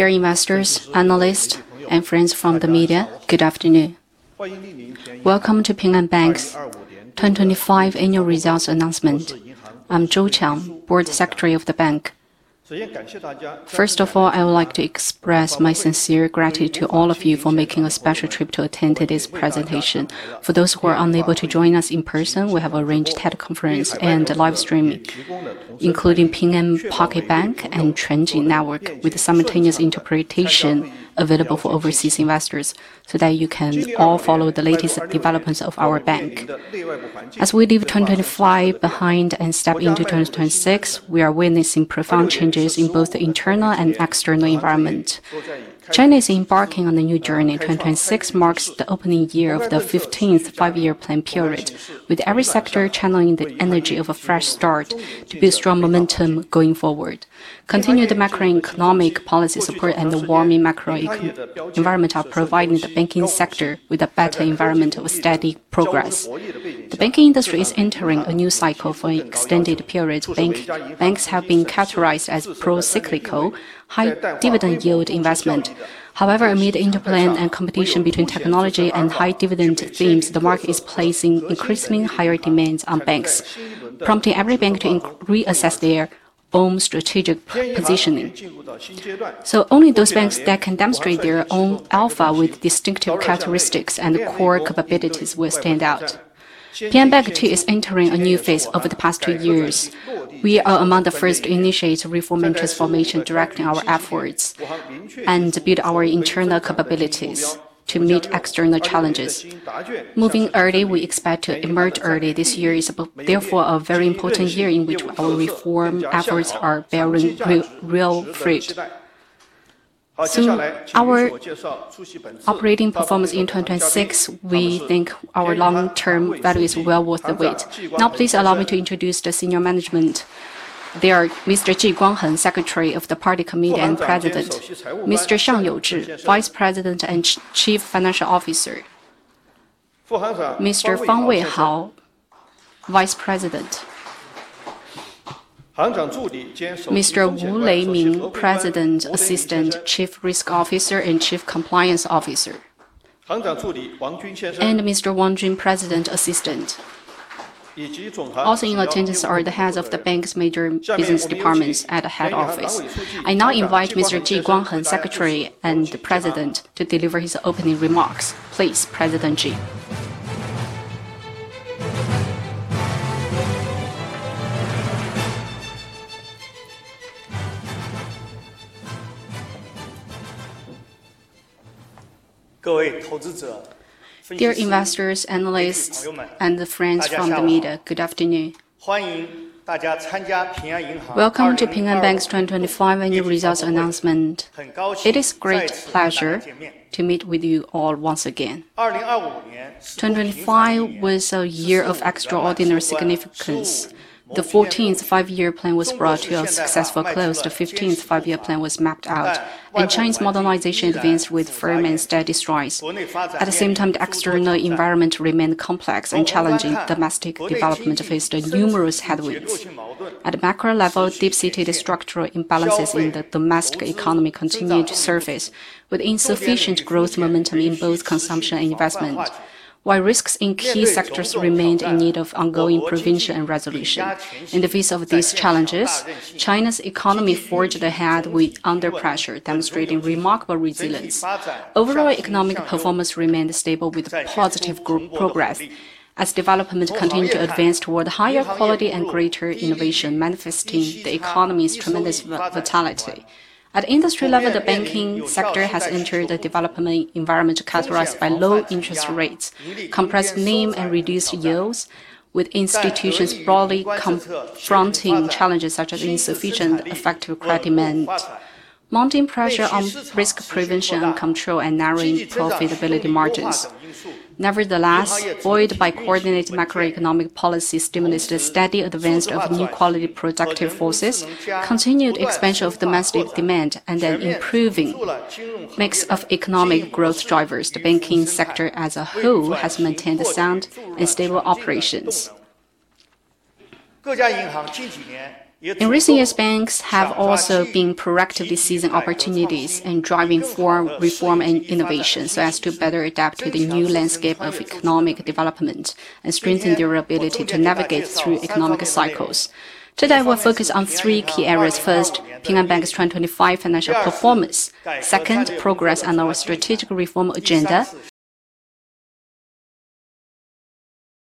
Dear investors, analysts, and friends from the media, good afternoon. Welcome to Ping An Bank's 2025 annual results announcement. I'm Zhou Qiang, Board Secretary of the bank. First of all, I would like to express my sincere gratitude to all of you for making a special trip to attend today's presentation. For those who are unable to join us in person, we have arranged teleconference and live streaming, including Ping An Pocket Bank and TrendJi Network with simultaneous interpretation available for overseas investors so that you can all follow the latest developments of our bank. As we leave 2025 behind and step into 2026, we are witnessing profound changes in both the internal and external environment. China is embarking on the new journey. 2026 marks the opening year of the 15th five-year plan period, with every sector channeling the energy of a fresh start to build strong momentum going forward. Continued macroeconomic policy support and the warming macroeconomic environment are providing the banking sector with a better environment of steady progress. The banking industry is entering a new cycle for extended periods. Banks have been characterized as pro-cyclical, high dividend yield investment. However, amid interplay and competition between technology and high dividend themes, the market is placing increasingly higher demands on banks, prompting every bank to reassess their own strategic positioning. Only those banks that can demonstrate their own alpha with distinctive characteristics and core capabilities will stand out. Ping An Bank too is entering a new phase over the past two years. We are among the first to initiate reform and transformation, directing our efforts and build our internal capabilities to meet external challenges. Moving early, we expect to emerge early. This year is therefore a very important year in which our reform efforts are bearing real fruit. Our operating performance in 2026, we think our long-term value is well worth the wait. Now, please allow me to introduce the senior management. They are Mr. Ji Guangheng, Secretary of the Party Committee and President, Mr. Xiang Youzhi, Vice President and Chief Financial Officer, Mr. Fang Weihao, Vice President, Mr. Wu Leiming, President Assistant, Chief Risk Officer and Chief Compliance Officer, and Mr. Wang Jun, President Assistant. Also in attendance are the heads of the bank's major business departments at the head office. I now invite Mr. Ji Guangheng, Secretary and President, to deliver his opening remarks. Please, President Ji. Dear investors, analysts, and the friends from the media, good afternoon. Welcome to Ping An Bank's 2025 annual results announcement. It is a great pleasure to meet with you all once again. 2025 was a year of extraordinary significance. The 14th five-year plan was brought to a successful close. The 15th five-year plan was mapped out. China's modernization advanced with firm and steady strides. At the same time, the external environment remained complex and challenging. Domestic development faced numerous headwinds. At a macro level, deep-seated structural imbalances in the domestic economy continued to surface with insufficient growth momentum in both consumption and investment, while risks in key sectors remained in need of ongoing prevention and resolution. In the face of these challenges, China's economy forged ahead under pressure, demonstrating remarkable resilience. Overall economic performance remained stable with positive progress as development continued to advance toward higher quality and greater innovation, manifesting the economy's tremendous vitality. At industry level, the banking sector has entered a development environment characterized by low interest rates, compressed NIM and reduced yields, with institutions broadly confronting challenges such as insufficient effective credit demand, mounting pressure on risk prevention and control, and narrowing profitability margins. Nevertheless, buoyed by coordinated macroeconomic policy stimulus, the steady advance of new quality productive forces, continued expansion of domestic demand, and an improving mix of economic growth drivers, the banking sector as a whole has maintained sound and stable operations. In recent years, banks have also been proactively seizing opportunities and driving for reform and innovation so as to better adapt to the new landscape of economic development and strengthen their ability to navigate through economic cycles. Today, we'll focus on three key areas. First, Ping An Bank's 2025 financial performance. Second, progress on our strategic reform agenda.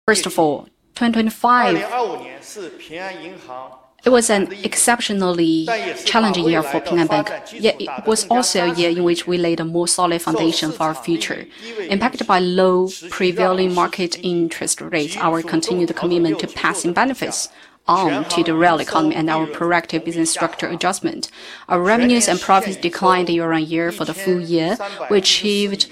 First of all, 2025, it was an exceptionally challenging year for Ping An Bank, yet it was also a year in which we laid a more solid foundation for our future. Impacted by low prevailing market interest rates, our continued commitment to passing benefits on to the real economy and our proactive business structure adjustment, our revenues and profits declined year-on-year. For the full year, we achieved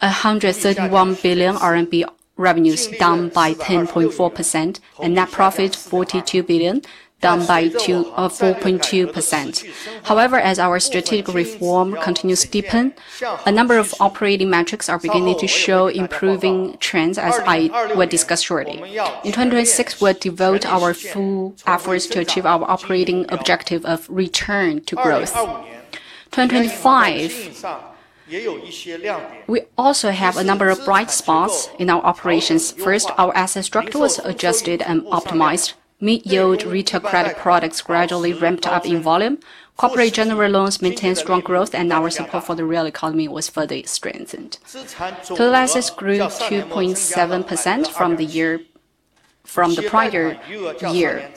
131 billion RMB revenues, down by 10.4%, and net profit 42 billion, down by 4.2%. However, as our strategic reform continues to deepen, a number of operating metrics are beginning to show improving trends, as I will discuss shortly. In 2026, we'll devote our full efforts to achieve our operating objective of return to growth. In 2025, we also have a number of bright spots in our operations. First, our asset structure was adjusted and optimized. Mid-yield retail credit products gradually ramped up in volume. Corporate general loans maintained strong growth, and our support for the real economy was further strengthened. Total assets grew 2.7% from the prior year.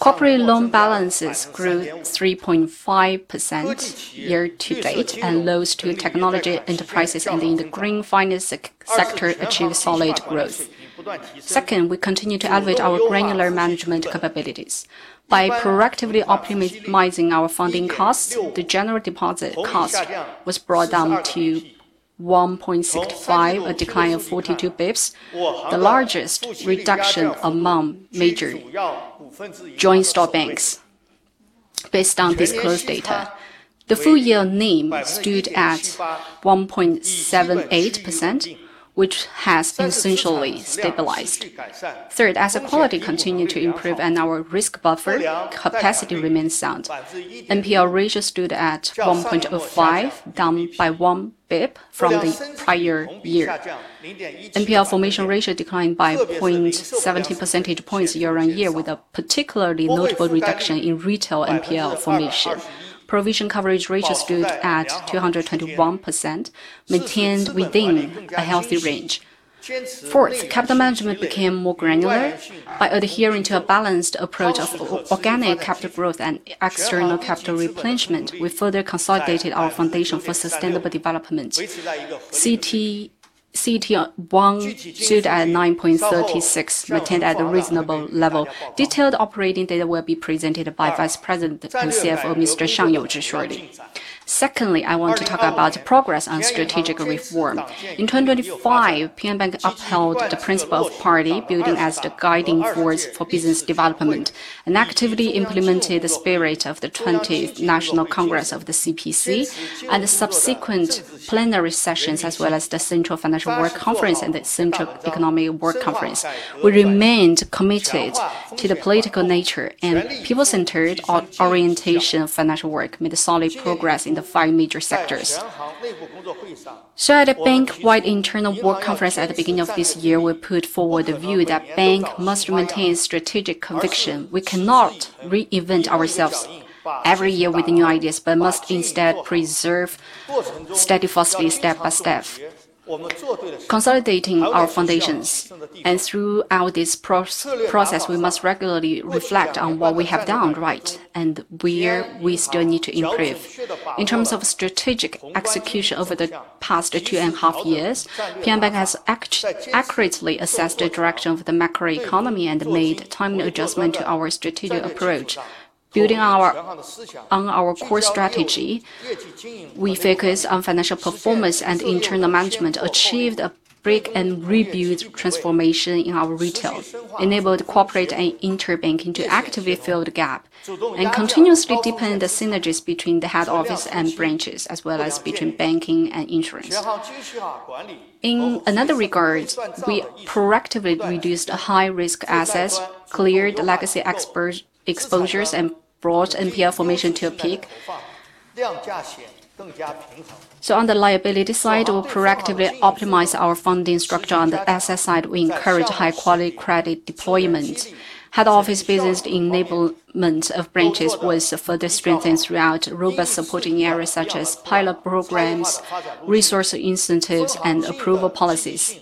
Corporate loan balances grew 3.5% year to date, and loans to technology enterprises and in the green finance sector achieved solid growth. Second, we continue to elevate our granular management capabilities. By proactively optimizing our funding costs, the general deposit cost was brought down to 1.65, a decline of 42 basis points, the largest reduction among major joint stock banks based on disclosed data. The full year NIM stood at 1.78%, which has essentially stabilized. Third, asset quality continued to improve and our risk buffer capacity remains sound. NPL ratio stood at 1.05, down by one basis point from the prior year. NPL formation ratio declined by 0.17 percentage points year-on-year, with a particularly notable reduction in retail NPL formation. Provision coverage ratio stood at 221%, maintained within a healthy range. Fourth, capital management became more granular. By adhering to a balanced approach of organic capital growth and external capital replenishment, we further consolidated our foundation for sustainable development. CET1 stood at 9.36, maintained at a reasonable level. Detailed operating data will be presented by Vice President and CFO, Mr. Xiang Youzhi shortly. Secondly, I want to talk about the progress on strategic reform. In 2025, Ping An Bank upheld the principle of party building as the guiding force for business development and actively implemented the spirit of the 20th National Congress of the CPC and the subsequent plenary sessions, as well as the Central Financial Work Conference and the Central Economic Work Conference. We remained committed to the political nature and people-centered orientation of financial work, made solid progress in the five major articles. At the bank-wide internal work conference at the beginning of this year, we put forward the view that the bank must maintain strategic conviction. We cannot reinvent ourselves every year with new ideas, but must instead proceed steadfastly step by step, consolidating our foundations. Throughout this process, we must regularly reflect on what we have done right and where we still need to improve. In terms of strategic execution over the past two and a half years, Ping An Bank has accurately assessed the direction of the macroeconomy and made timely adjustment to our strategic approach. Building on our core strategy, we focused on financial performance and internal management, achieved a break and rebuild transformation in our retail, enabled corporate and interbank to actively fill the gap and continuously deepen the synergies between the head office and branches, as well as between banking and insurance. In another regard, we proactively reduced high-risk assets, cleared legacy exposures and brought NPL formation to a peak. On the liability side, we proactively optimized our funding structure. On the asset side, we encouraged high-quality credit deployment. Head office business enablement of branches was further strengthened throughout robust supporting areas such as pilot programs, resource incentives and approval policies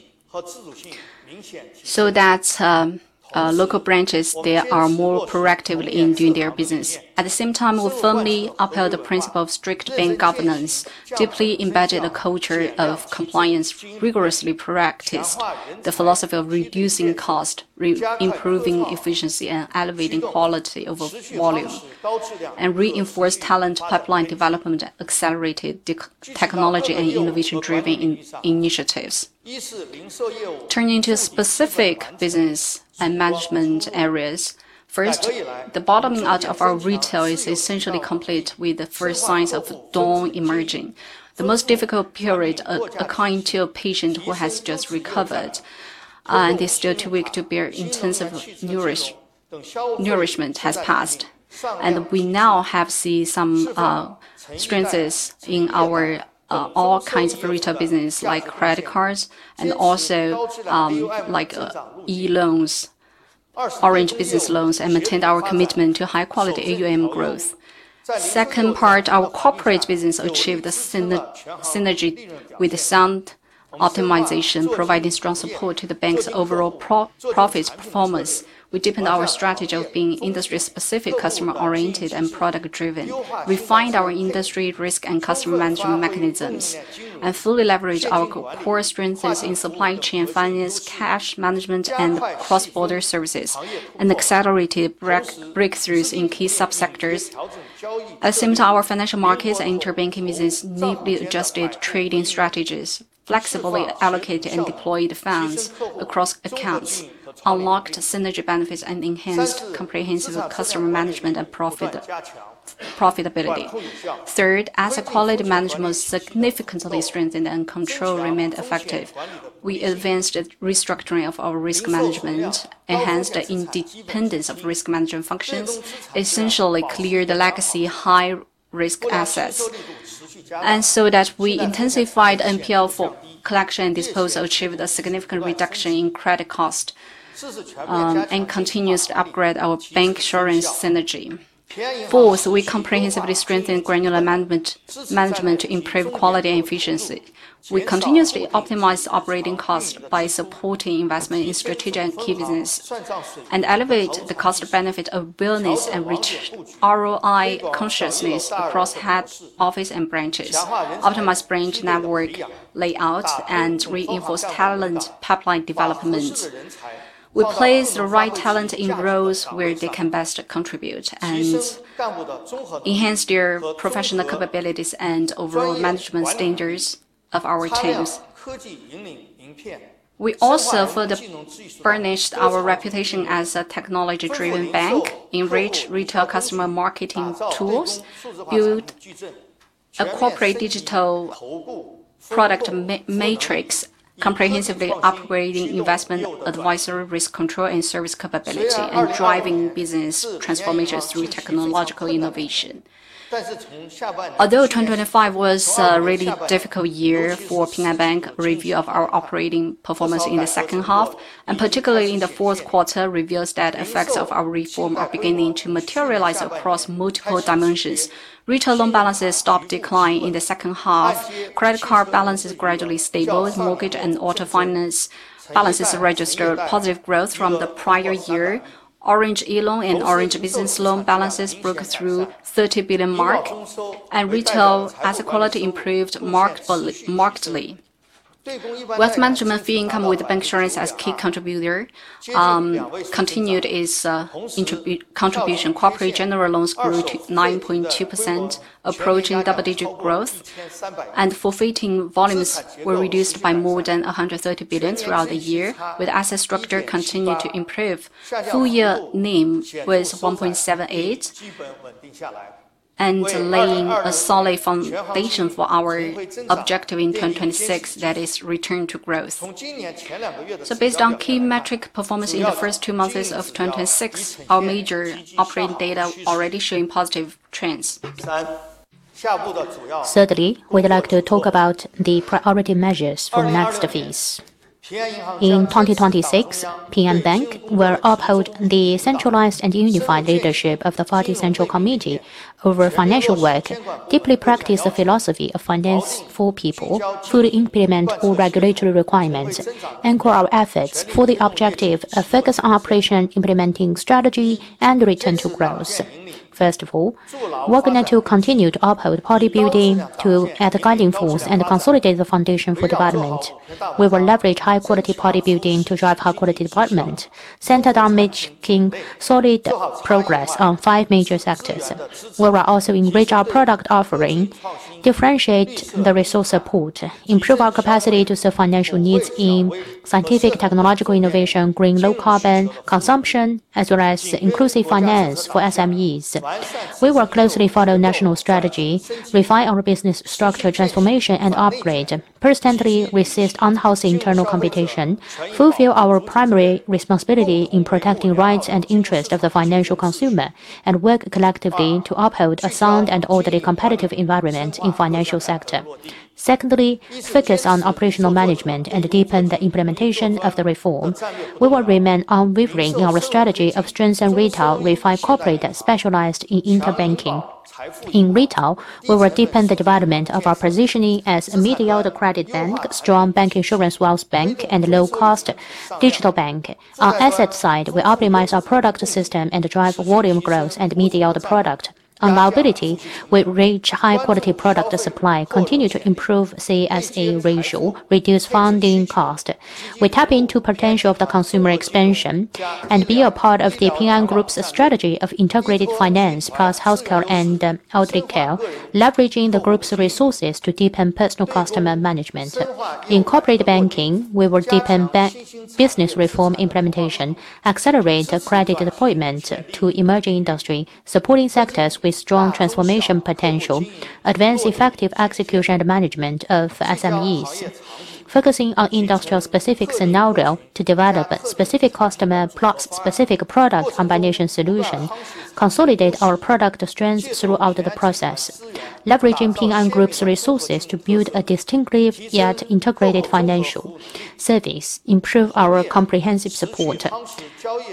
so that local branches, they are more proactive in doing their business. At the same time, we firmly upheld the principle of strict bank governance, deeply embedded a culture of compliance, rigorously practiced the philosophy of reducing cost, improving efficiency and elevating quality over volume, and reinforced talent pipeline development, accelerated technology and innovation-driven initiatives. Turning to specific business and management areas. First, the bottoming out of our retail is essentially complete with the first signs of dawn emerging. The most difficult period according to a patient who has just recovered and is still too weak to bear intensive nourishment has passed. We now have seen some strengths in our all kinds of retail business like credit cards and also like Orange e-loans, Orange Business loans, and maintained our commitment to high-quality AUM growth. Second part, our corporate business achieved a synergy with sound optimization, providing strong support to the bank's overall profit performance. We deepened our strategy of being industry-specific, customer-oriented and product-driven. Refined our industry risk and customer management mechanisms, and fully leveraged our core strengths in supply chain finance, cash management and cross-border services, and accelerated breakthroughs in key subsectors. At the same time, our financial markets and interbank business nimbly adjusted trading strategies, flexibly allocated and deployed funds across accounts, unlocked synergy benefits and enhanced comprehensive customer management and profit. Profitability. Third, as the quality management significantly strengthened and control remained effective, we advanced the restructuring of our risk management, enhanced the independence of risk management functions, essentially cleared the legacy high-risk assets, and so that we intensified NPL for collection and disposal, achieved a significant reduction in credit cost, and continuously upgraded our bank-insurance synergy. Fourth, we comprehensively strengthened granular management to improve quality and efficiency. We continuously optimized operating cost by supporting investment in strategic key business and elevated the cost benefit of business and reached ROI consciousness across head office and branches, optimized branch network layout, and reinforced talent pipeline development. We place the right talent in roles where they can best contribute and enhance their professional capabilities and overall management standards of our teams. We also further furnished our reputation as a technology-driven bank, enrich retail customer marketing tools, build a corporate digital product matrix, comprehensively upgrading investment advisory, risk control, and service capability, and driving business transformation through technological innovation. Although 2025 was a really difficult year for Ping An Bank, a review of our operating performance in the second half, and particularly in the Q4, reveals that effects of our reform are beginning to materialize across multiple dimensions. Retail loan balances stopped declining in the second half. Credit card balances gradually stabilized. Mortgage and auto finance balances registered positive growth from the prior year. Orange e-Loan and Orange Business Loan balances broke through 30 billion mark. Retail asset quality improved markedly. Wealth management fee income with bank insurance as key contributor continued its contribution. Corporate general loans grew to 9.2%, approaching double-digit growth. Forfeiting volumes were reduced by more than 130 billion throughout the year, with asset structure continuing to improve. Full year NIM was 1.78% and laying a solid foundation for our objective in 2026, that is return to growth. Based on key metric performance in the first two months of 2026, our major operating data already showing positive trends. Thirdly, we'd like to talk about the priority measures for next phase. In 2026, Ping An Bank will uphold the centralized and unified leadership of the Party Central Committee over financial work, deeply practice the philosophy of finance for people, fully implement all regulatory requirements, anchor our efforts for the objective of focus on operation, implementing strategy and return to growth. First of all, we're going to continue to uphold Party building to add the guiding force and consolidate the foundation for development. We will leverage high-quality Party building to drive high-quality development centered on making solid progress on five major articles. We will also enrich our product offering, differentiate the resource support, improve our capacity to serve financial needs in scientific and technological innovation, green and low-carbon consumption, as well as inclusive finance for SMEs. We will closely follow national strategy, refine our business structure transformation and upgrade, persistently resist unhealthy internal competition, fulfill our primary responsibility in protecting rights and interests of the financial consumer, and work collectively to uphold a sound and orderly competitive environment in financial sector. Secondly, focus on operational management and deepen the implementation of the reform. We will remain unwavering in our strategy of strengthening retail, refining corporate that specializes in interbanking. In retail, we will deepen the development of our positioning as a media credit bank, strong bank insurance wealth bank and low-cost digital bank. On asset side, we optimize our product system and drive volume growth and media product. On liability, we reach high-quality product supply, continue to improve CASA ratio, reduce funding cost. We tap into potential of the consumer expansion and be a part of the Ping An Group's strategy of integrated finance, plus healthcare and elderly care, leveraging the Group's resources to deepen personal customer management. In corporate banking, we will deepen bank business reform implementation, accelerate the credit deployment to emerging industry, supporting sectors with strong transformation potential, advance effective execution and management of SMEs, focusing on industrial specific scenario to develop specific customer plus specific product combination solution, consolidate our product strength throughout the process, leveraging Ping An Group's resources to build a distinctive yet integrated financial service, improve our comprehensive support.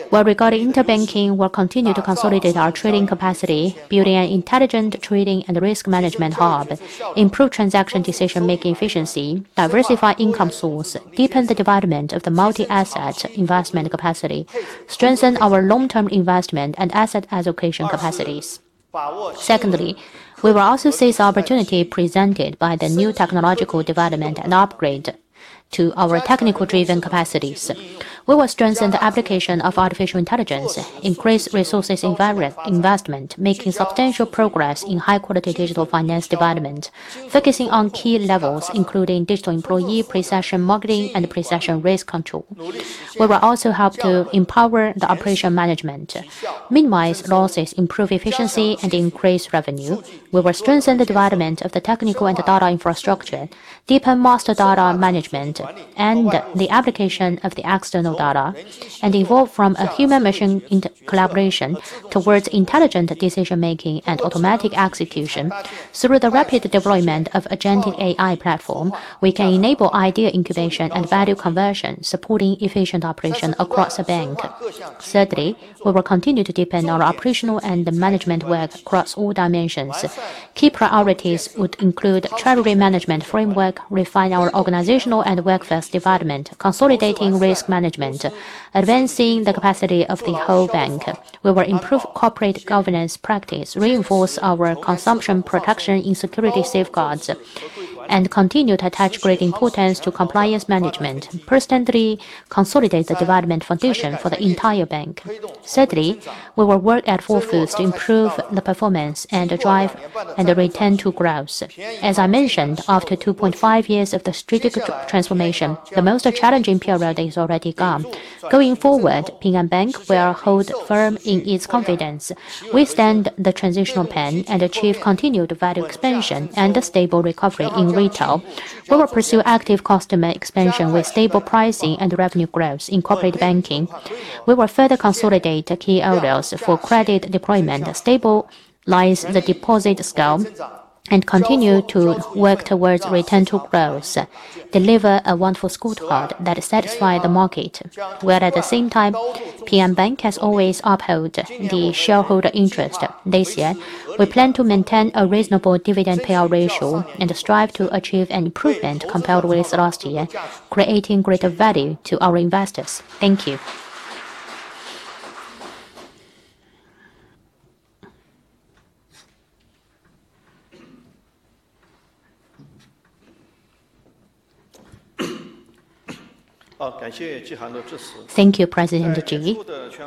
While regarding interbank, we'll continue to consolidate our trading capacity, building an intelligent trading and risk management hub, improve transaction decision-making efficiency, diversify income source, deepen the development of the multi-asset investment capacity, strengthen our long-term investment and asset allocation capacities. Secondly, we will also seize the opportunity presented by the new technological development and upgrade to our technology-driven capabilities. We will strengthen the application of artificial intelligence, increase resources environmental investment, making substantial progress in high quality digital finance development, focusing on key levels including digital employee, precision marketing and precision risk control. We will also help to empower the operation management, minimize losses, improve efficiency and increase revenue. We will strengthen the development of the technology and data infrastructure, deepen master data management and the application of the external data, and evolve from a human machine collaboration towards intelligent decision-making and automatic execution. Through the rapid deployment of agent AI platform, we can enable idea incubation and value conversion, supporting efficient operation across a bank. Thirdly, we will continue to deepen our operational and management work across all dimensions. Key priorities would include treasury management framework, refine our organizational and workforce development, consolidating risk management, advancing the capacity of the whole bank. We will improve corporate governance practice, reinforce our consumer protection and security safeguards, and continue to attach great importance to compliance management, persistently consolidate the development foundation for the entire bank. Thirdly, we will work at full force to improve the performance and drive and return to growth. As I mentioned, after 2.5 years of the strategic transformation, the most challenging period is already gone. Going forward, Ping An Bank will hold firm in its confidence, withstand the transitional pain and achieve continued value expansion and a stable recovery in retail. We will pursue active customer expansion with stable pricing and revenue growth in corporate banking. We will further consolidate the key areas for credit deployment, stabilize the deposit scale and continue to work towards return to growth, deliver a wonderful scorecard that satisfy the market. While at the same time, Ping An Bank has always uphold the shareholder interest. This year, we plan to maintain a reasonable dividend payout ratio and strive to achieve an improvement compared with last year, creating greater value to our investors. Thank you. Thank you, President Ji.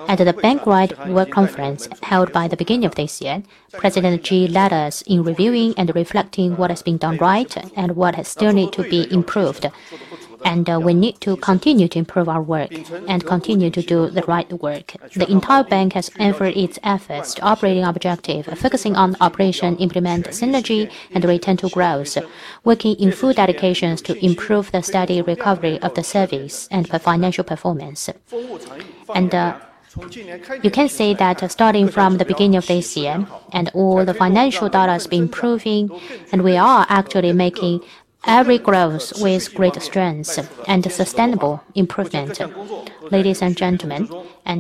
At the bank-wide work conference held at the beginning of this year, President Ji led us in reviewing and reflecting what has been done right and what has still need to be improved. We need to continue to improve our work and continue to do the right work. The entire bank has exerted its efforts to operating objectives, focusing on operations, implementing synergy and return to growth, working in full dedication to improve the steady recovery of the service and the financial performance. You can see that, starting from the beginning of this year all the financial data has been improving and we are actually making every growth with greater strengths and a sustainable improvement. Ladies and gentlemen,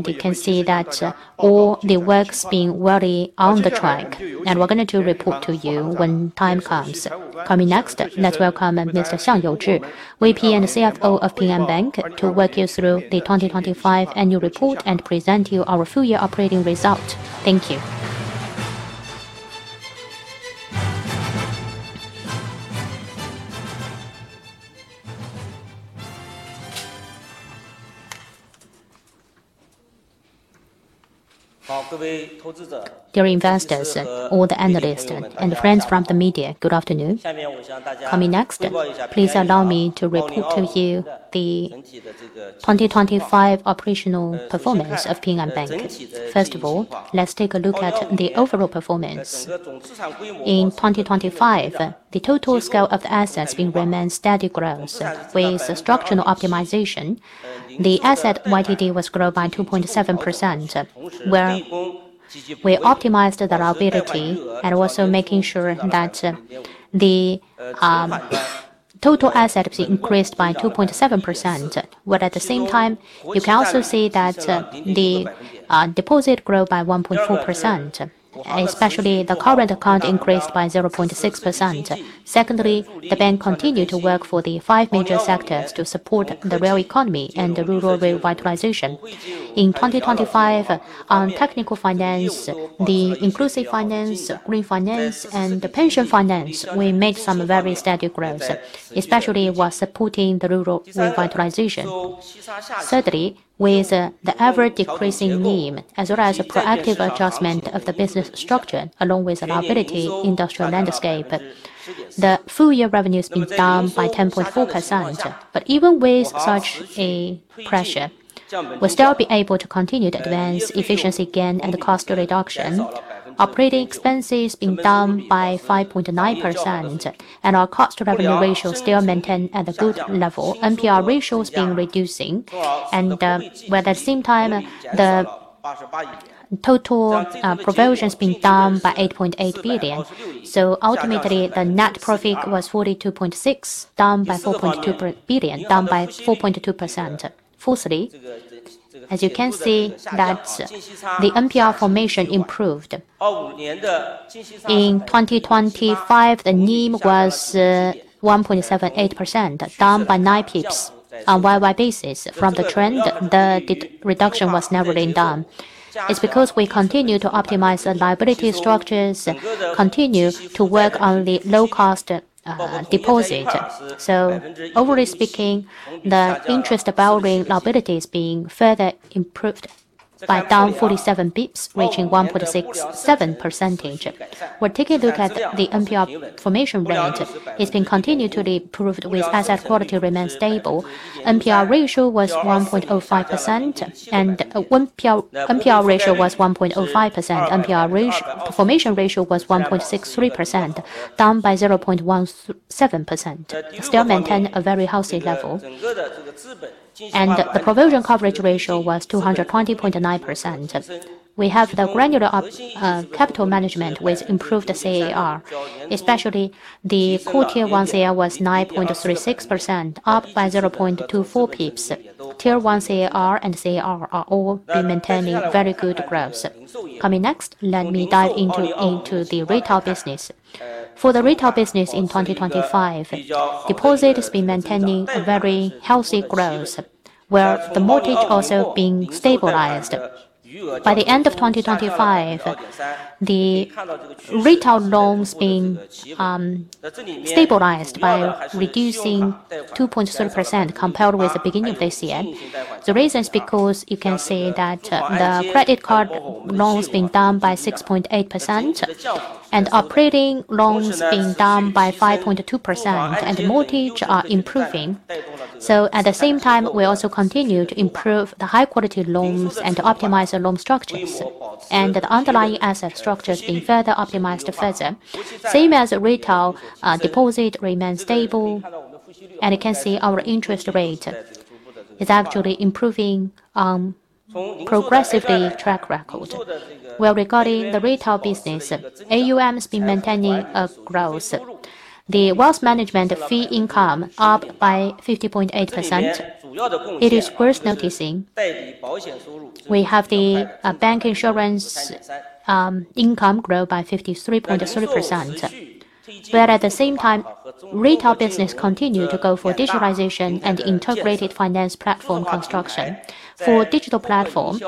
you can see that, all the work's been well on the track, and we're gonna report to you when the time comes. Coming next, let's welcome Mr. Xiang Youzhi, VP and CFO of Ping An Bank, to walk you through the 2025 annual report and present to you our full year operating results. Thank you. Dear investors, all the analysts and friends from the media, good afternoon. Coming next, please allow me to report to you the 2025 operational performance of Ping An Bank. First of all, let's take a look at the overall performance. In 2025, the total scale of assets remained in steady growth. With the structural optimization, the assets YTD grew by 2.7%, where we optimized the liabilities and also making sure that total assets increased by 2.7%. At the same time, you can also see that the deposits grew by 1.4%, especially the current account increased by 0.6%. Secondly, the bank continued to work for the five major sectors to support the real economy and the rural revitalization. In 2025, on technology finance, inclusive finance, green finance and pension finance, we made some very steady growth, especially while supporting the rural revitalization. Thirdly, with the ever-decreasing NIM, as well as a proactive adjustment of the business structure, along with the liability industrial landscape, the full year revenue has been down by 10.4%. Even with such a pressure, we'll still be able to continue to advance efficiency gain and the cost reduction. Operating expenses being down by 5.9% and our cost revenue ratio still maintain at a good level. NPL ratio's been reducing and while at the same time, the total provisions being down by 8.8 billion. Ultimately, the net profit was 42.6 billion, down by 4.2 billion, down by 4.2%. Fourthly, as you can see that the NPL formation improved. In 2025, the NIM was 1.78%, down by nine pips. On year-over-year basis from the trend, the de-reduction was narrowly done. It's because we continue to optimize the liability structures, continue to work on the low-cost deposit. Overall speaking, the interest of our liability is being further improved by down 47 basis points, reaching 1.67%. We're taking a look at the NPL formation rate. It's been continually improved with asset quality remain stable. NPL ratio was 1.05%. NPL formation ratio was 1.63%, down by 0.17%. Still maintain a very healthy level. The provision coverage ratio was 220.9%. We have capital management with improved CAR. Especially the core Tier 1 CAR was 9.36%, up by 0.24 basis points. Tier 1 CAR and CAR are all been maintaining very good growth. Next, let me dive into the retail business. For the retail business in 2025, deposit has been maintaining a very healthy growth, where the mortgage also have been stabilized. By the end of 2025, the retail loans being stabilized by reducing 2.3% compared with the beginning of this year. The reason is because you can see that the credit card loans being down by 6.8% and operating loans being down by 5.2%, and the mortgage are improving. At the same time, we also continue to improve the high quality loans and optimize the loan structures. The underlying asset structure is being further optimized. Same as retail, deposit remains stable, and you can see our interest rate is actually improving progressive track record. Well, regarding the retail business, AUM has been maintaining a growth. The wealth management fee income up by 50.8%. It is worth noticing we have the bank insurance income grow by 53.3%. At the same time, retail business continue to go for digitalization and integrated finance platform construction. For digital platform,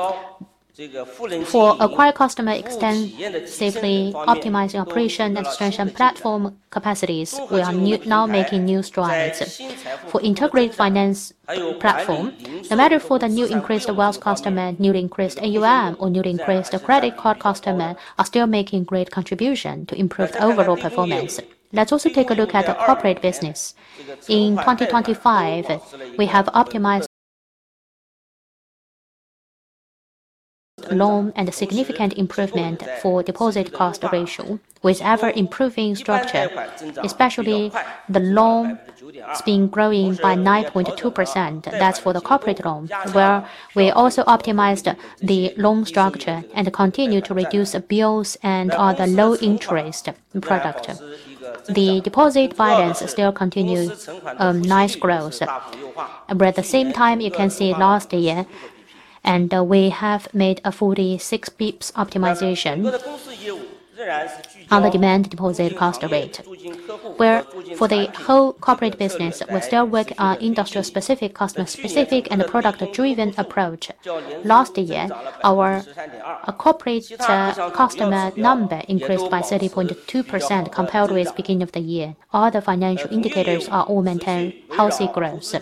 for acquire customer extend safely, optimizing operation and extension platform capacities, we are now making new strides. For integrated finance platform, no matter for the new increased wealth customer, new increased AUM or new increased credit card customer, are still making great contribution to improve the overall performance. Let's also take a look at the corporate business. In 2025, we have optimized Orange Loan and a significant improvement for deposit cost ratio with ever-improving structure, especially the loan. It's been growing by 9.2%. That's for the corporate loan. Well, we also optimized the loan structure and continue to reduce bills and other low interest product. The deposit finance is still continuing nice growth. At the same time, you can see last year we have made a 46 BPS optimization on the demand deposit cost rate, where for the whole corporate business, we still work on industry-specific, customer-specific and product-driven approach. Last year, our corporate customer number increased by 30.2% compared with beginning of the year. Other financial indicators are all maintain healthy growth.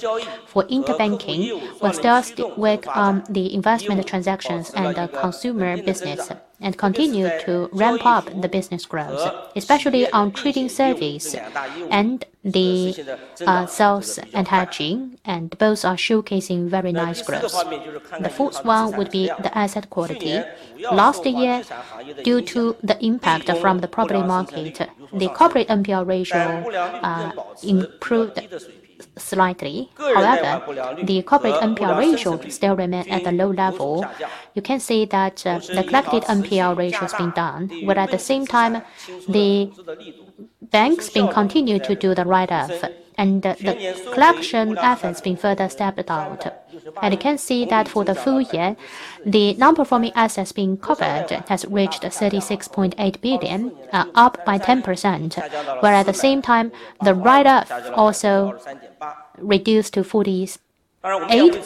For interbanking, we still work on the investment transactions and the consumer business and continue to ramp up the business growth, especially on trading service and the sales and trading, and both are showcasing very nice growth. The fourth one would be the asset quality. Last year, due to the impact from the property market, the corporate NPL ratio improved slightly. However, the corporate NPL ratio still remain at a low level. You can see that the controlled NPL ratio has been controlled, but at the same time, the bank has continued to do the write-off and the collection effort has been further stepped up. You can see that for the full year, the non-performing assets being covered has reached 36.8 billion, up by 10%. Where at the same time, the write-off also reduced to 48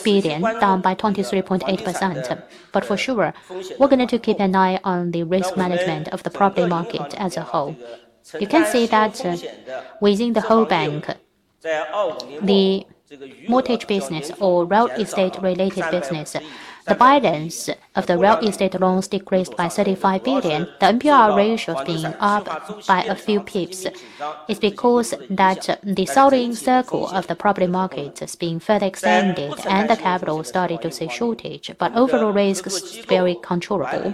billion, down by 23.8%. For sure, we're going to keep an eye on the risk management of the property market as a whole. You can see that within the whole bank, the mortgage business or real estate related business, the financing of the real estate loans decreased by 35 billion. The NPL ratio being up by a few pips is because the sales cycle of the property market is being further extended and the capital started to face shortage, but overall risk is very controllable.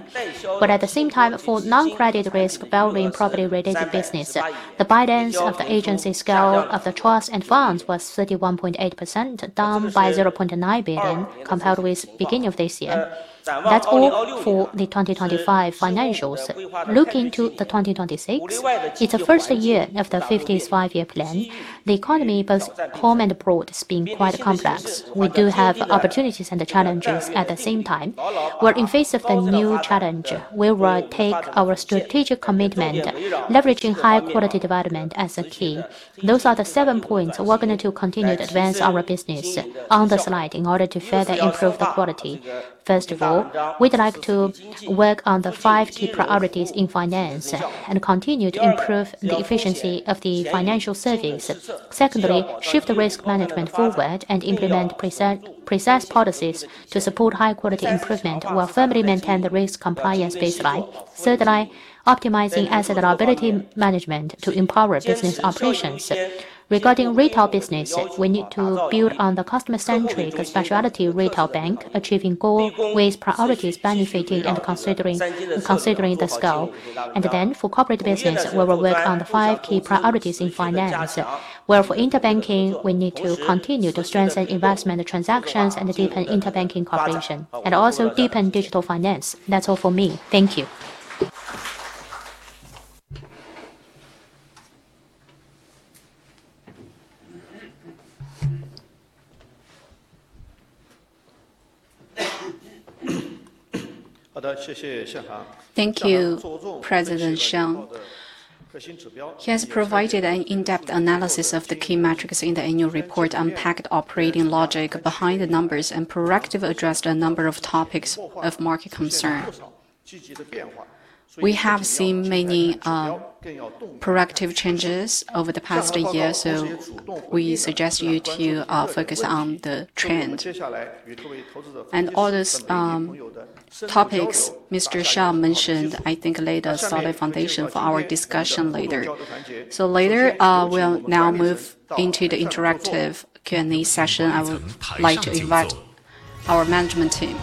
At the same time, for non-credit risk involving property-related business, the financing scale of the trust and funds was 31.8 billion, down by 0.9 billion compared with the beginning of this year. That's all for the 2025 financials. Looking to the 2026, it's the first year of the 15th Five-Year Plan. The economy, both home and abroad, is being quite complex. We do have opportunities and challenges at the same time. We're in the face of the new challenge. We will take our strategic commitment, leveraging high-quality development as a key. Those are the seven points we're going to continue to advance our business on the slide in order to further improve the quality. First of all, we'd like to work on the five major articles and continue to improve the efficiency of the financial service. Secondly, shift the risk management forward and implement precise policies to support high quality improvement while firmly maintain the risk compliance baseline. Thirdly, optimizing asset liability management to empower business operations. Regarding retail business, we need to build on the customer-centric specialty retail bank, achieving goal with priorities benefiting and considering the scale. Then for corporate business, we will work on the five key priorities in finance. While for interbank, we need to continue to strengthen investment transactions and deepen interbank cooperation. Also deepen digital finance. That's all for me. Thank you. Thank you, President Xiang. He has provided an in-depth analysis of the key metrics in the annual report, unpacked operating logic behind the numbers, and proactively addressed a number of topics of market concern. We have seen many proactive changes over the past year, so we suggest you to focus on the trend. All these topics Mr. Xiang mentioned, I think, laid a solid foundation for our discussion later. Later we'll now move into the interactive Q&A session. I would like to invite our management team.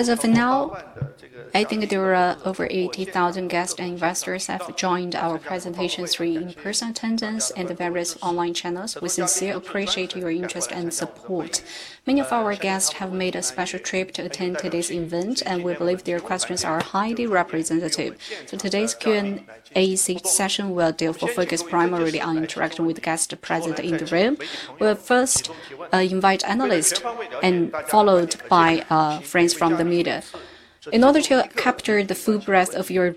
As of now, I think there are over 80,000 guests and investors have joined our presentation through in-person attendance and the various online channels. We sincerely appreciate your interest and support. Many of our guests have made a special trip to attend today's event, and we believe their questions are highly representative. Today's Q&A session will therefore focus primarily on interaction with guests present in the room. We'll first invite analysts followed by friends from the media. In order to capture the full breadth of your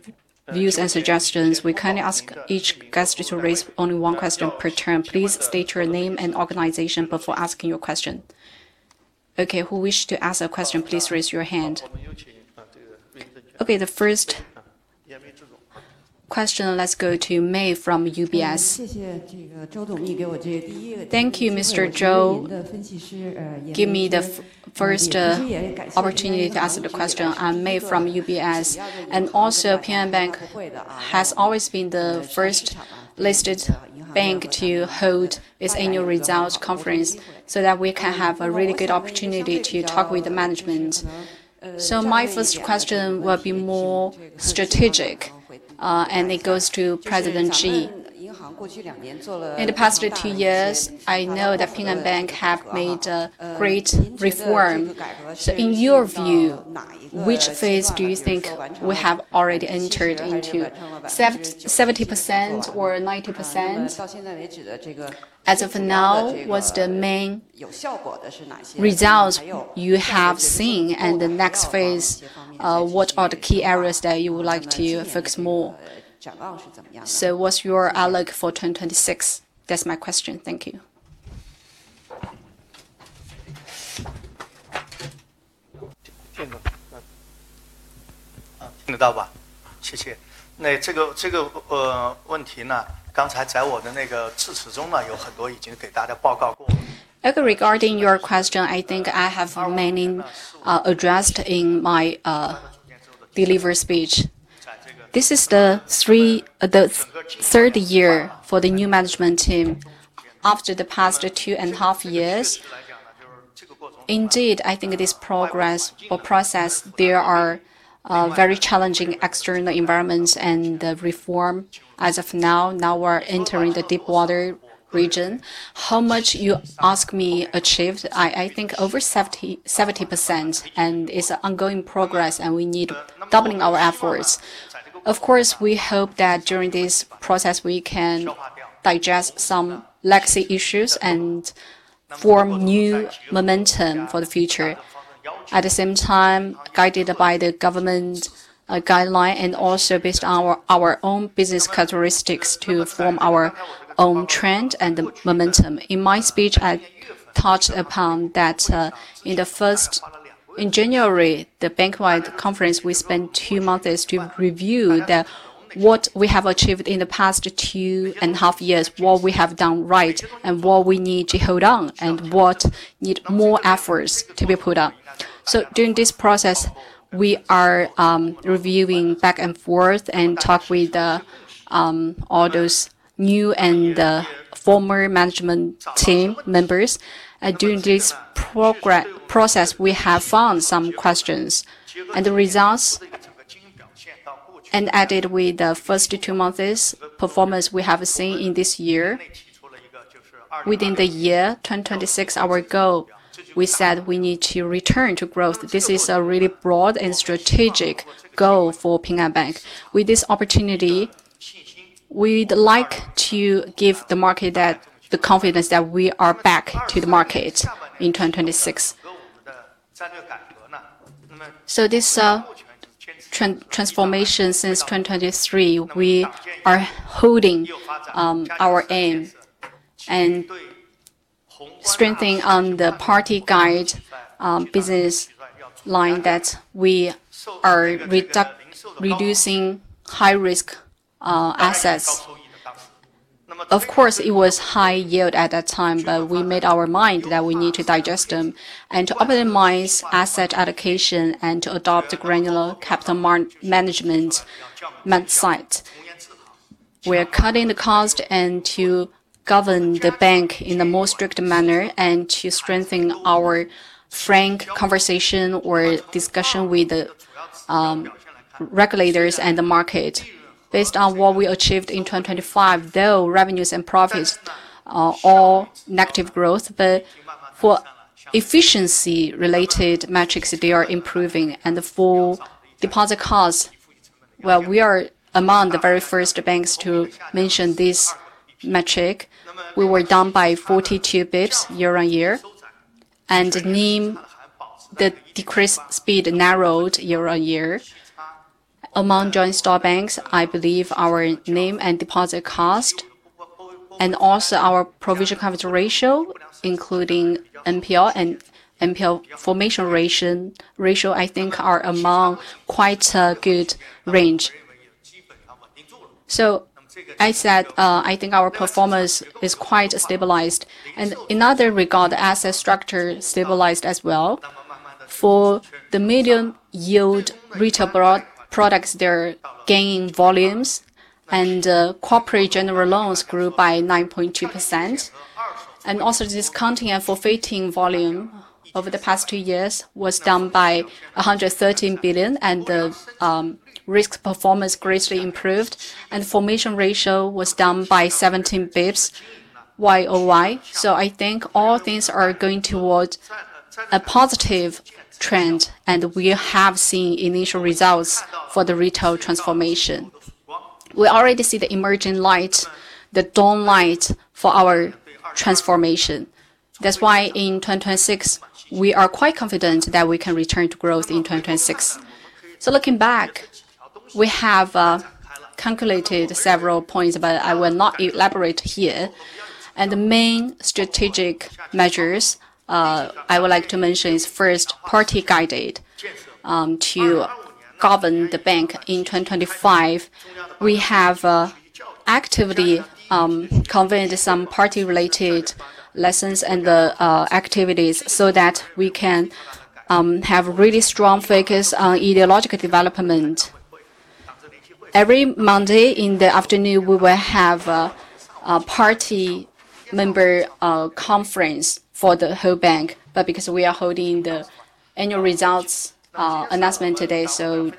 views and suggestions, we kindly ask each guest to raise only one question per turn. Please state your name and organization before asking your question. Okay, who wishes to ask a question, please raise your hand. Okay, the first question, let's go to May Yan from UBS. Thank you, Mr. Zhou, give me the first opportunity to ask the question. I'm May Yan from UBS, and also Ping An Bank has always been the first listed bank to hold its annual results conference so that we can have a really good opportunity to talk with the management. My first question will be more strategic, and it goes to President Ji. In the past two years, I know that Ping An Bank have made a great reform. In your view, which phase do you think we have already entered into, 70% or 90%? As of now, what's the main results you have seen? The next phase, what are the key areas that you would like to focus more? What's your outlook for 2026? That's my question. Thank you. Regarding your question, I think I have many addressed in my delivery speech. This is the third year for the new management team after the past two and a half years. Indeed, I think this progress or process, there are very challenging external environments and the reform as of now. Now we're entering the deep water. Regarding how much you ask me achieved? I think over 70%, and it's ongoing progress, and we need doubling our efforts. Of course, we hope that during this process we can digest some legacy issues and form new momentum for the future. At the same time, guided by the government guideline and also based on our own business characteristics to form our own trend and momentum. In my speech, I touched upon that. In January, the bank-wide conference, we spent two months to review what we have achieved in the past two and a half years, what we have done right, and what we need to hold on, and what need more efforts to be put up. During this process, we are reviewing back and forth and talk with the all those new and former management team members. During this process, we have found some questions. The results, added with the first two months' performance we have seen in this year, within the year 2026, our goal, we said we need to return to growth. This is a really broad and strategic goal for Ping An Bank. With this opportunity, we'd like to give the market that, the confidence that we are back to the market in 2026. This transformation since 2023, we are holding our aim and strengthening on the Party guidance business line that we are reducing high-risk assets. Of course, it was high yield at that time, but we made our mind that we need to digest them and to optimize asset allocation and to adopt a granular capital management. We're cutting the cost and to govern the bank in the most strict manner and to strengthen our frank conversation or discussion with the regulators and the market. Based on what we achieved in 2025, though revenues and profits are all negative growth, but for efficiency-related metrics, they are improving. For deposit costs, well, we are among the very first banks to mention this metric. We were down by 42 basis points year-on-year. NIM, the decrease speed narrowed year-on-year. Among joint stock banks, I believe our NIM and deposit cost, and also our provision coverage ratio, including NPL and NPL formation ratio, I think are among quite a good range. I said, I think our performance is quite stabilized. In other regard, asset structure stabilized as well. For the medium yield retail products, they're gaining volumes and corporate general loans grew by 9.2%. Also, discounting and forfeiting volume over the past two years was down by 113 billion and the risk performance greatly improved. Formation ratio was down by 17 basis points year-over-year. I think all things are going towards a positive trend, and we have seen initial results for the retail transformation. We already see the emerging light, the dawn light for our transformation. That's why in 2026, we are quite confident that we can return to growth in 2026. Looking back, we have calculated several points, but I will not elaborate here. The main strategic measures I would like to mention is first party guided to govern the bank in 2025. We have actively conveyed some party-related lessons and activities so that we can have really strong focus on ideological development. Every Monday in the afternoon, we will have a party member conference for the whole bank. Because we are holding the annual results announcement today, so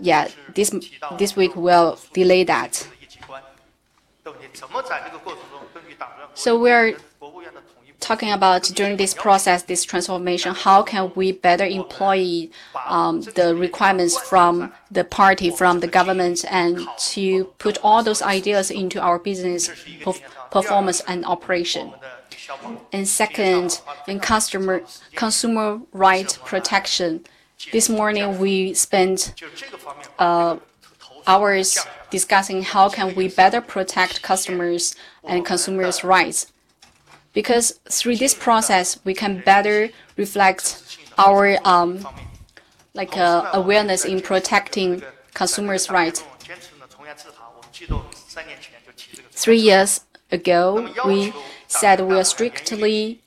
yeah, this week we'll delay that. We're talking about during this process, this transformation, how can we better employ the requirements from the party, from the government and to put all those ideas into our business performance and operation. Second, in consumer rights protection. This morning we spent hours discussing how can we better protect customers and consumers' rights. Because through this process, we can better reflect our like awareness in protecting consumers' rights. Three years ago, we said we are strictly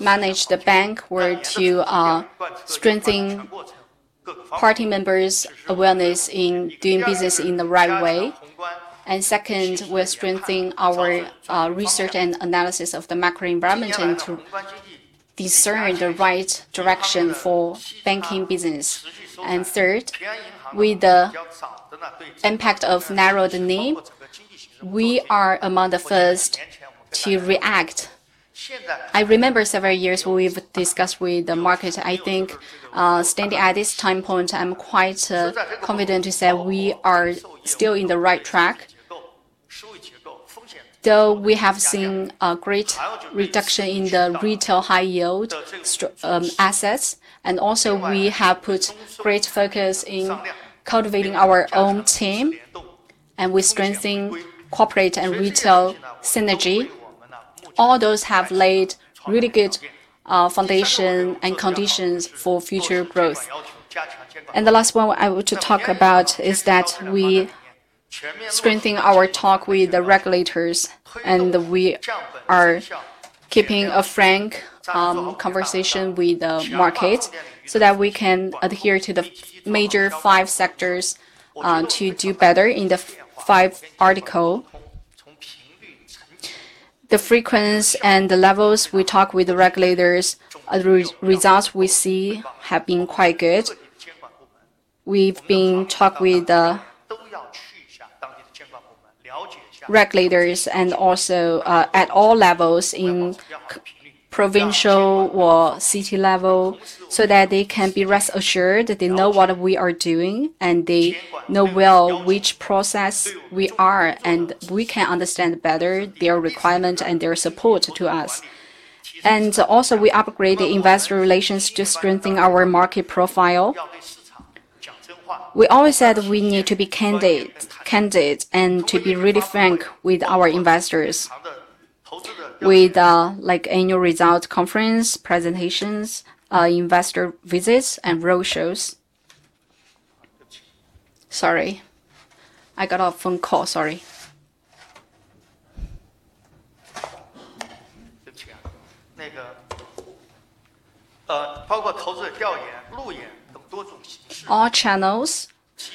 manage the bank to strengthen party members' awareness in doing business in the right way. Second, we are strengthening our research and analysis of the macro environment and to discern the right direction for banking business. Third, with the impact of narrowed NIM, we are among the first to react. I remember several years we've discussed with the market. I think, standing at this time point, I'm quite confident to say we are still on the right track. Though we have seen a great reduction in the retail high-yield structured assets, and also we have put great focus in cultivating our own team, and we're strengthening corporate and retail synergy. All those have laid really good foundation and conditions for future growth. The last one I want to talk about is that we strengthen our talk with the regulators, and we are keeping a frank conversation with the market so that we can adhere to the five major articles. The frequency and the levels we talk with the regulators, and results we see have been quite good. We've been talking with the regulators and also at all levels in central, provincial or city level, so that they can rest assured that they know what we are doing, and they know well which process we are, and we can understand better their requirements and their support to us. We also upgrade the investor relations to strengthen our market profile. We always said we need to be candid and to be really frank with our investors. With like annual results conference, presentations, investor visits and roadshows. Sorry. I got a phone call, sorry. All channels,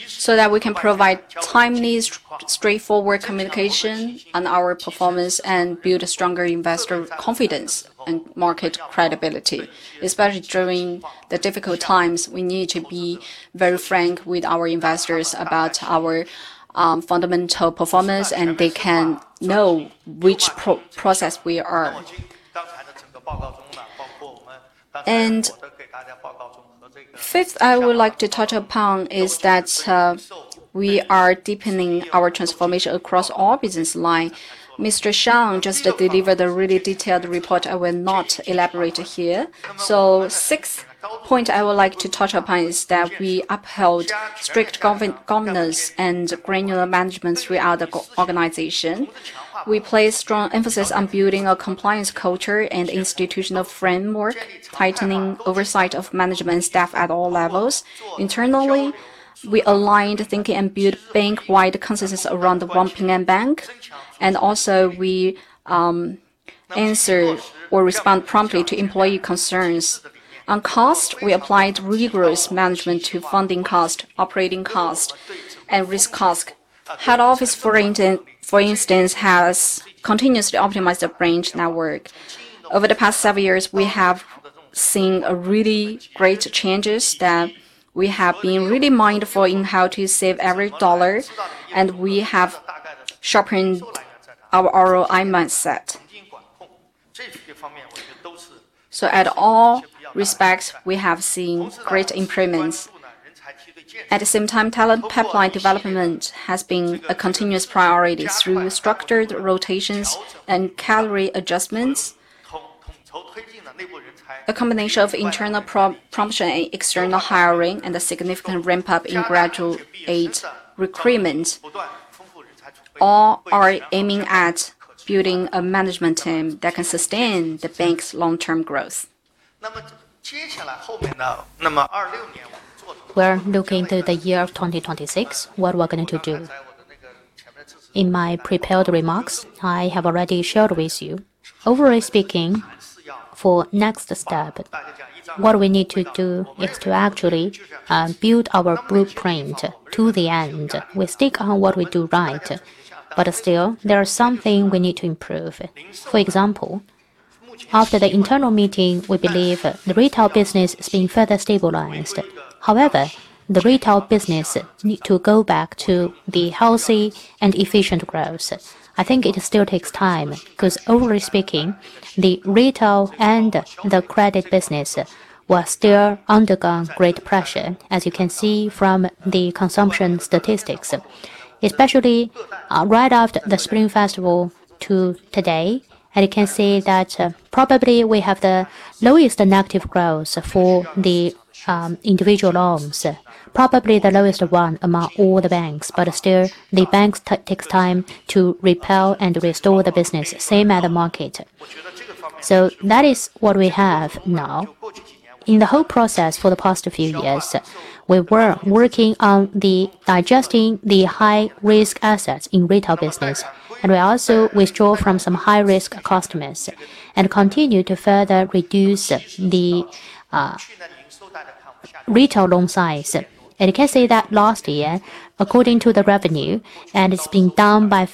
so that we can provide timely, straightforward communication on our performance and build a stronger investor confidence and market credibility. Especially during the difficult times, we need to be very frank with our investors about our fundamental performance, and they can know which process we are. Fifth, I would like to touch upon is that we are deepening our transformation across all business line. Mr. Xiang just delivered a really detailed report. I will not elaborate it here. Sixth point I would like to touch upon is that we upheld strict governance and granular management throughout the company organization. We place strong emphasis on building a compliance culture and institutional framework, tightening oversight of management staff at all levels. Internally, we aligned thinking and build bank-wide consensus around the One Ping An Bank. We answer or respond promptly to employee concerns. On cost, we applied rigorous management to funding cost, operating cost, and risk cost. Head Office, for instance, has continuously optimized the branch network. Over the past several years, we have seen a really great changes that we have been really mindful in how to save every dollar, and we have sharpened our ROI mindset. At all respects, we have seen great improvements. At the same time, talent pipeline development has been a continuous priority through structured rotations and career adjustments. A combination of internal promotion and external hiring and a significant ramp-up in graduates recruitment all are aiming at building a management team that can sustain the bank's long-term growth. We're looking to the year of 2026, what we're going to do. In my prepared remarks, I have already shared with you. Overall speaking, for next step, what we need to do is to actually build our blueprint to the end. We stick on what we do right, but still, there are something we need to improve. For example, after the internal meeting, we believe the retail business is being further stabilized. However, the retail business need to go back to the healthy and efficient growth. I think it still takes time, 'cause overly speaking, the retail and the credit business was still undergone great pressure, as you can see from the consumption statistics. Especially, right after the Spring Festival to today, and you can see that, probably we have the lowest negative growth for the, individual loans, probably the lowest one among all the banks. But still, the banks takes time to repel and restore the business, same as the market. That is what we have now. In the whole process for the past few years, we were working on digesting the high-risk assets in retail business, and we also withdrew from some high-risk customers and continued to further reduce the. Retail loan size. You can see that last year, according to the revenue, and it's been down by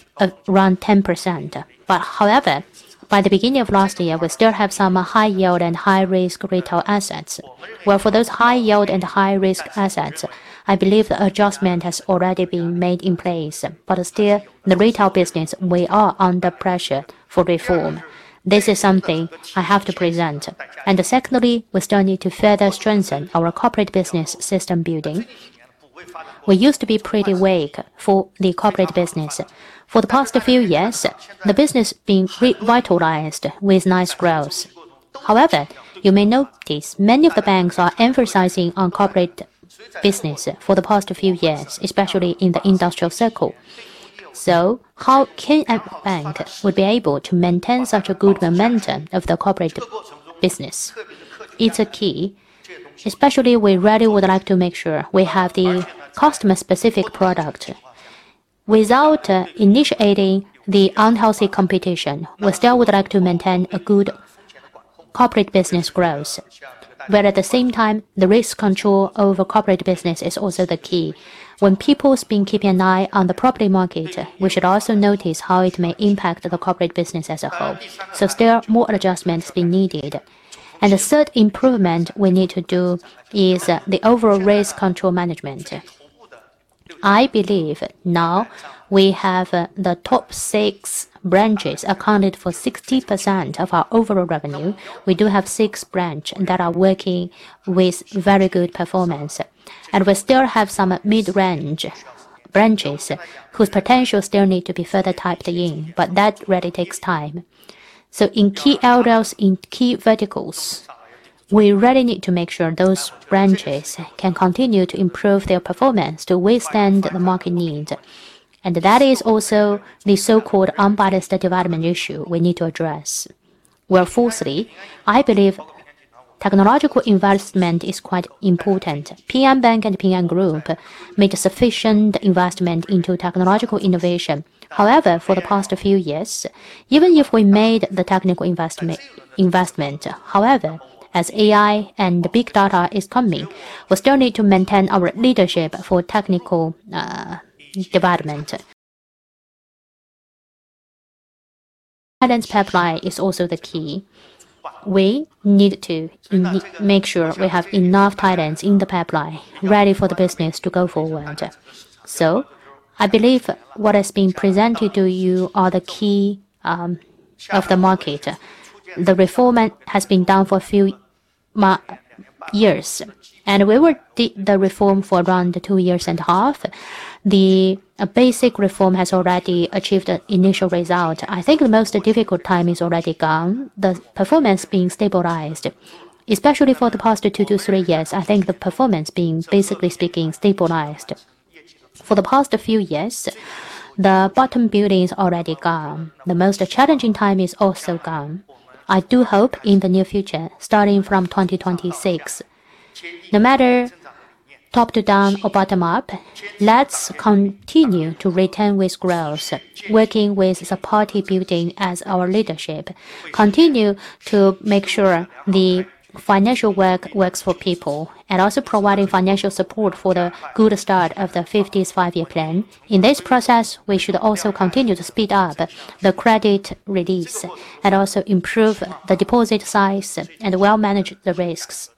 around 10%. However, by the beginning of last year, we still have some high yield and high risk retail assets. For those high yield and high risk assets, I believe the adjustment has already been made in place. Still, the retail business, we are under pressure for reform. This is something I have to present. Secondly, we still need to further strengthen our corporate business system building. We used to be pretty weak for the corporate business. For the past few years, the business been revitalized with nice growth. However, you may notice, many of the banks are emphasizing on corporate business for the past few years, especially in the industrial circle. How can a bank would be able to maintain such a good momentum of the corporate business? It's a key. Especially we really would like to make sure we have the customer specific product. Without initiating the unhealthy competition, we still would like to maintain a good corporate business growth. But at the same time, the risk control over corporate business is also the key. When people's been keeping an eye on the property market, we should also notice how it may impact the corporate business as a whole. Still more adjustments be needed. The third improvement we need to do is the overall risk control management. I believe now we have the top six branches accounted for 60% of our overall revenue. We do have six branch that are working with very good performance. We still have some mid-range branches whose potential still need to be further tapped in, but that really takes time. In key areas, in key verticals, we really need to make sure those branches can continue to improve their performance to withstand the market need. That is also the so-called unbalanced development issue we need to address. Well, fourthly, I believe technological investment is quite important. Ping An Bank and Ping An Group made a sufficient investment into technological innovation. However, for the past few years, even if we made the technical investment, however, as AI and big data is coming, we still need to maintain our leadership for technical development. Talents pipeline is also the key. We need to make sure we have enough talents in the pipeline ready for the business to go forward. I believe what has been presented to you are the key of the market. The reform has been done for a few many years, and we were doing the reform for around two years and a half. The basic reform has already achieved an initial result. I think the most difficult time is already gone. The performance being stabilized, especially for the past two to three years. I think the performance being, basically speaking, stabilized. For the past few years, the bottom building is already gone. The most challenging time is also gone. I do hope in the near future, starting from 2026, no matter top down or bottom up, let's continue to return with growth, working with the party building as our leadership, continue to make sure the financial work works for people, and also providing financial support for the good start of the 15th five-year plan. In this process, we should also continue to speed up the credit release and also improve the deposit size and well manage the risks.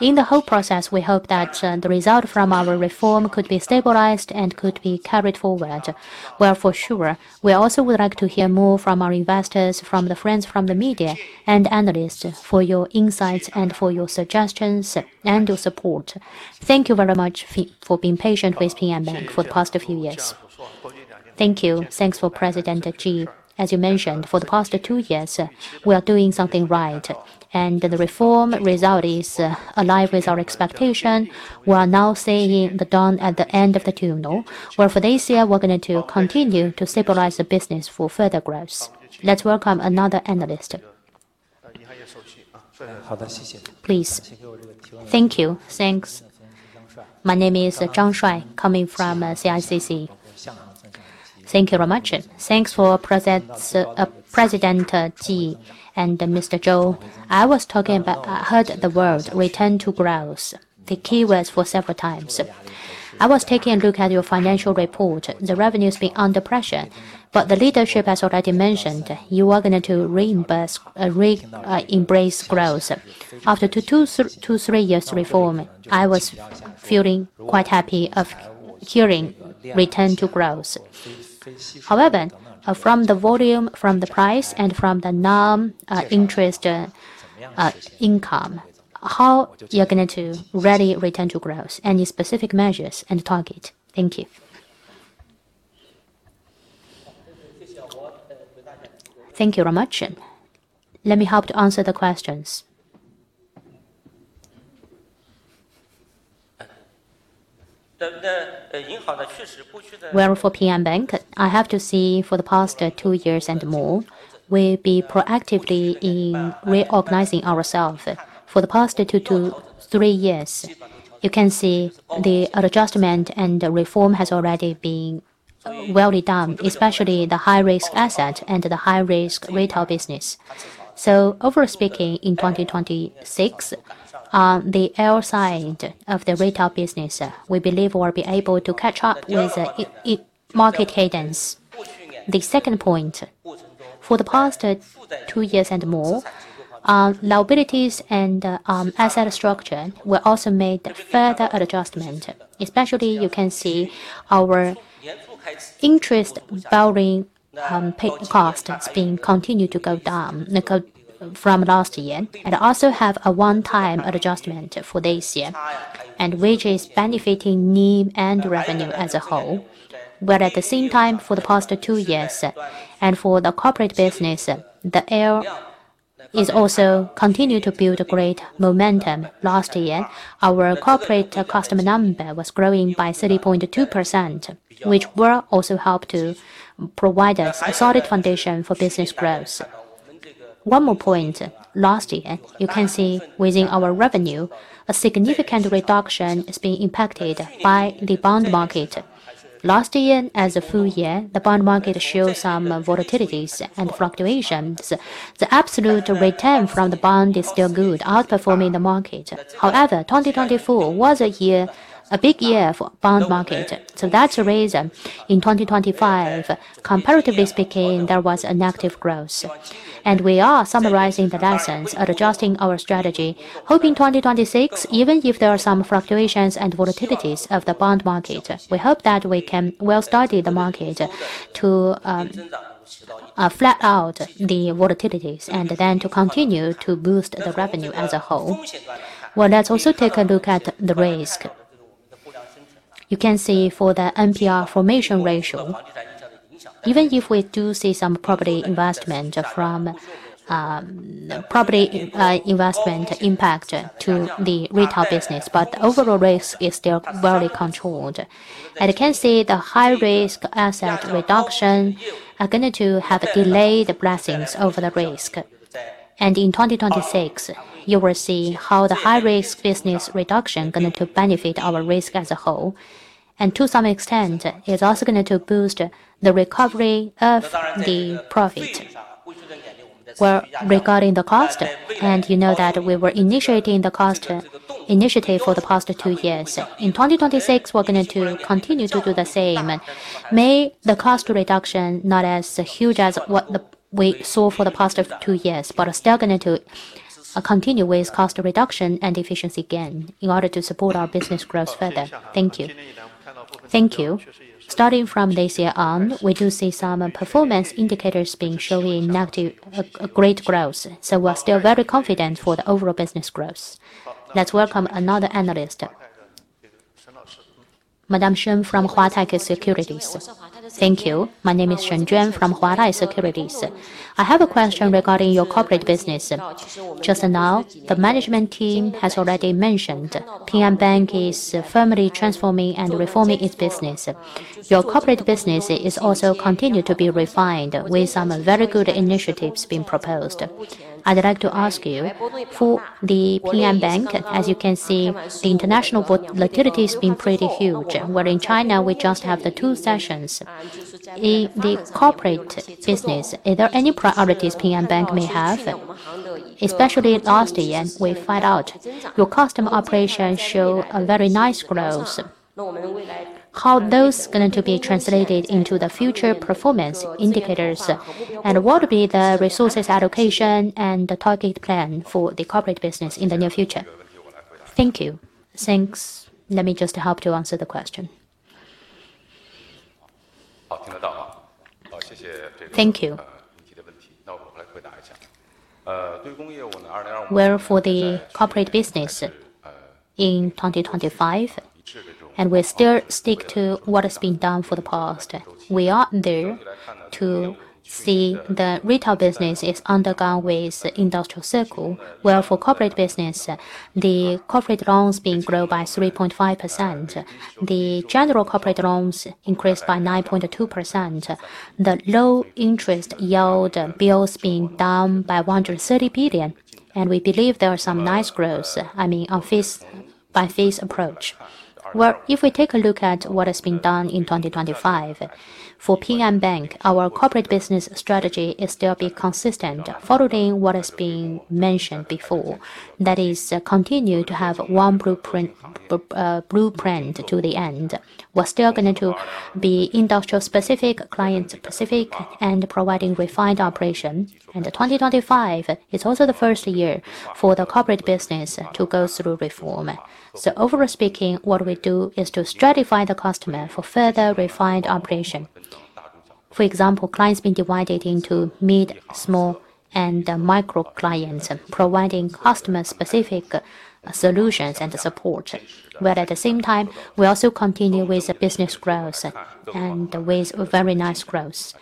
In the whole process, we hope that the result from our reform could be stabilized and could be carried forward. Well, for sure. We also would like to hear more from our investors, from the friends from the media and analysts for your insights and for your suggestions and your support. Thank you very much for being patient with Ping An Bank for the past few years. Thank you. Thanks for President Ji. As you mentioned, for the past two years, we are doing something right, and the reform result is aligned with our expectation. We are now seeing the dawn at the end of the tunnel, where for this year, we're going to continue to stabilize the business for further growth. Let's welcome another analyst. Please. Thank you. Thanks. My name is Zhang Shuai, coming from CICC. Thank you very much. Thanks for President Ji and Mr. Zhou. I heard the word "return to growth," the key words for several times. I was taking a look at your financial report. The revenue's been under pressure, but the leadership has already mentioned you are gonna to embrace growth. After two to three years of reform, I was feeling quite happy to hear "return to growth." However, from the volume, from the price, and from the non-interest income, how you're going to really return to growth? Any specific measures and target? Thank you. Thank you very much. Let me help to answer the questions. Well, for Ping An Bank, I have to say for the past two years and more, we've been proactively reorganizing ourselves. For the past two to three years, you can see the adjustment and the reform has already been well done, especially the high-risk asset and the high-risk retail business. So overall speaking, in 2026, the asset side of the retail business, we believe will be able to catch up with the overall market headwinds. The second point, for the past two years and more, our liabilities and asset structure were also made further adjustment, especially you can see our interest-bearing pay cost has been continued to go down, like, from last year. Also have a one-time adjustment for this year, and which is benefiting NIM and revenue as a whole. At the same time, for the past two years, and for the corporate business, the area is also continue to build a great momentum. Last year, our corporate customer number was growing by 3.2%, which will also help to provide us a solid foundation for business growth. One more point. Last year, you can see within our revenue, a significant reduction is being impacted by the bond market. Last year as a full year, the bond market showed some volatility and fluctuations. The absolute return from the bond is still good, outperforming the market. However, 2024 was a year, a big year for bond market. That's the reason in 2025, comparatively speaking, there was a negative growth. We are summarizing the lessons and adjusting our strategy, hoping in 2026, even if there are some fluctuations and volatilities of the bond market, we hope that we can well study the market to flatten out the volatilities and then to continue to boost the revenue as a whole. Well, let's also take a look at the risk. You can see for the NPL formation ratio, even if we do see some property investment from the property investment impact to the retail business, but the overall risk is still well controlled. You can see the high-risk asset reduction are going to have alleviated the pressure on the risk. In 2026, you will see how the high-risk business reduction going to benefit our risk as a whole. To some extent, it's also going to boost the recovery of the profit. Well, regarding the cost, and you know that we were initiating the cost initiative for the past two years. In 2026, we're going to continue to do the same. The cost reduction may not be as huge as what we saw for the past two years, but we are still going to continue with cost reduction and efficiency gain in order to support our business growth further. Thank you. Thank you. Starting from this year on, we do see some performance indicators being showing negative, great growth, so we're still very confident for the overall business growth. Let's welcome another analyst. Madame Shen from Huatai Securities. Thank you. My name is Shen Jun from Huatai Securities. I have a question regarding your corporate business. Just now, the management team has already mentioned Ping An Bank is firmly transforming and reforming its business. Your corporate business is also continued to be refined with some very good initiatives being proposed. I'd like to ask you, for the Ping An Bank, as you can see, the international volatility has been pretty huge, where in China, we just have the Two Sessions. In the corporate business, are there any priorities Ping An Bank may have? Especially last year, we found out your customer operations show a very nice growth. How is that going to be translated into the future performance indicators? What will be the resources allocation and the target plan for the corporate business in the near future? Thank you. Thanks. Let me just help to answer the question. Thank you. Well, for the corporate business in 2025, we still stick to what has been done for the past. We are there to see the retail business is undergone with industrial cycle, whereas for corporate business, the corporate loans being grown by 3.5%. The general corporate loans increased by 9.2%. The low interest yield bills being down by 130 billion, and we believe there are some nice growth, I mean, by phase approach. Well, if we take a look at what has been done in 2025, for Ping An Bank, our corporate business strategy is still be consistent following what has been mentioned before. That is, continue to have one blueprint to the end. We're still gonna be industrial specific, client specific, and providing refined operation. The 2025 is also the first year for the corporate business to go through reform. Overall speaking, what we do is to stratify the customer for further refined operation. For example, clients being divided into mid, small, and micro clients, and providing customer specific solutions and support. At the same time, we also continue with the business growth and with very nice growth.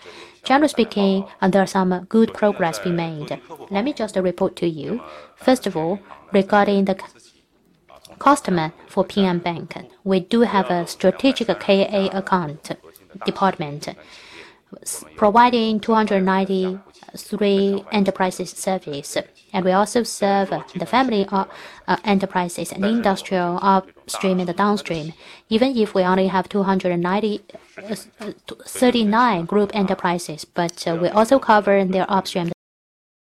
Generally speaking, there are some good progress being made. Let me just report to you. First of all, regarding the customer for Ping An Bank, we do have a strategic KA account department providing 293 enterprises service. We also serve the family of enterprises and industrial upstream and the downstream. Even if we only have 293 group enterprises, we also cover their upstream.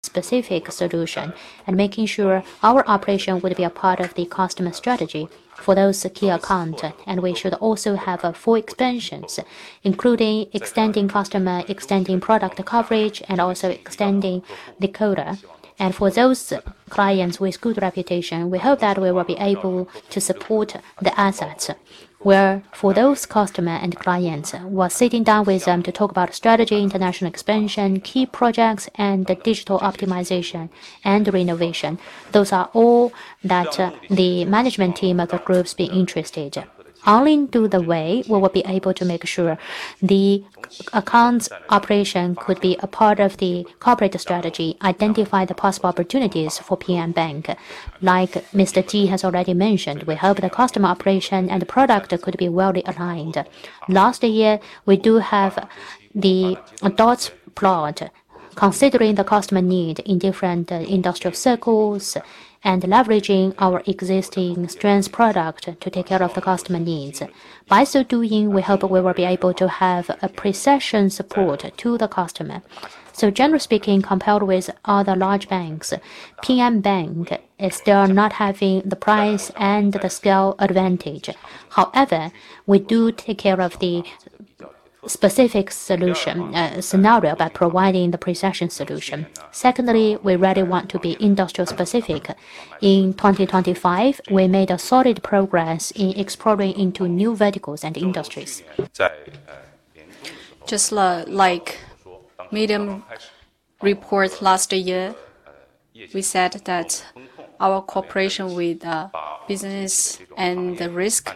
Specific solution and making sure our operation will be a part of the customer strategy for those key account. We should also have full expansions, including extending customer, extending product coverage, and also extending the core. For those clients with good reputation, we hope that we will be able to support their assets, where for those customers and clients, we're sitting down with them to talk about strategy, international expansion, key projects and the digital optimization and renovation. Those are all that the management team of the group is interested. Only through the way we will be able to make sure the accounts operation could be a part of the corporate strategy, identify the possible opportunities for Ping An Bank. Like Mr. Ji has already mentioned, we hope the customer operation and the product could be well aligned. Last year, we do have the advanced platform, considering the customer need in different industrial circles and leveraging our existing strengths and products to take care of the customer needs. By so doing, we hope we will be able to have a precision support to the customer. Generally speaking, compared with other large banks, Ping An Bank is still not having the pricing and the scale advantage. However, we do take care of the specific solution scenario by providing the precision solution. Secondly, we really want to be industry specific. In 2025, we made a solid progress in exploring into new verticals and industries. Just like mid-year report last year, we said that our cooperation with business and the risk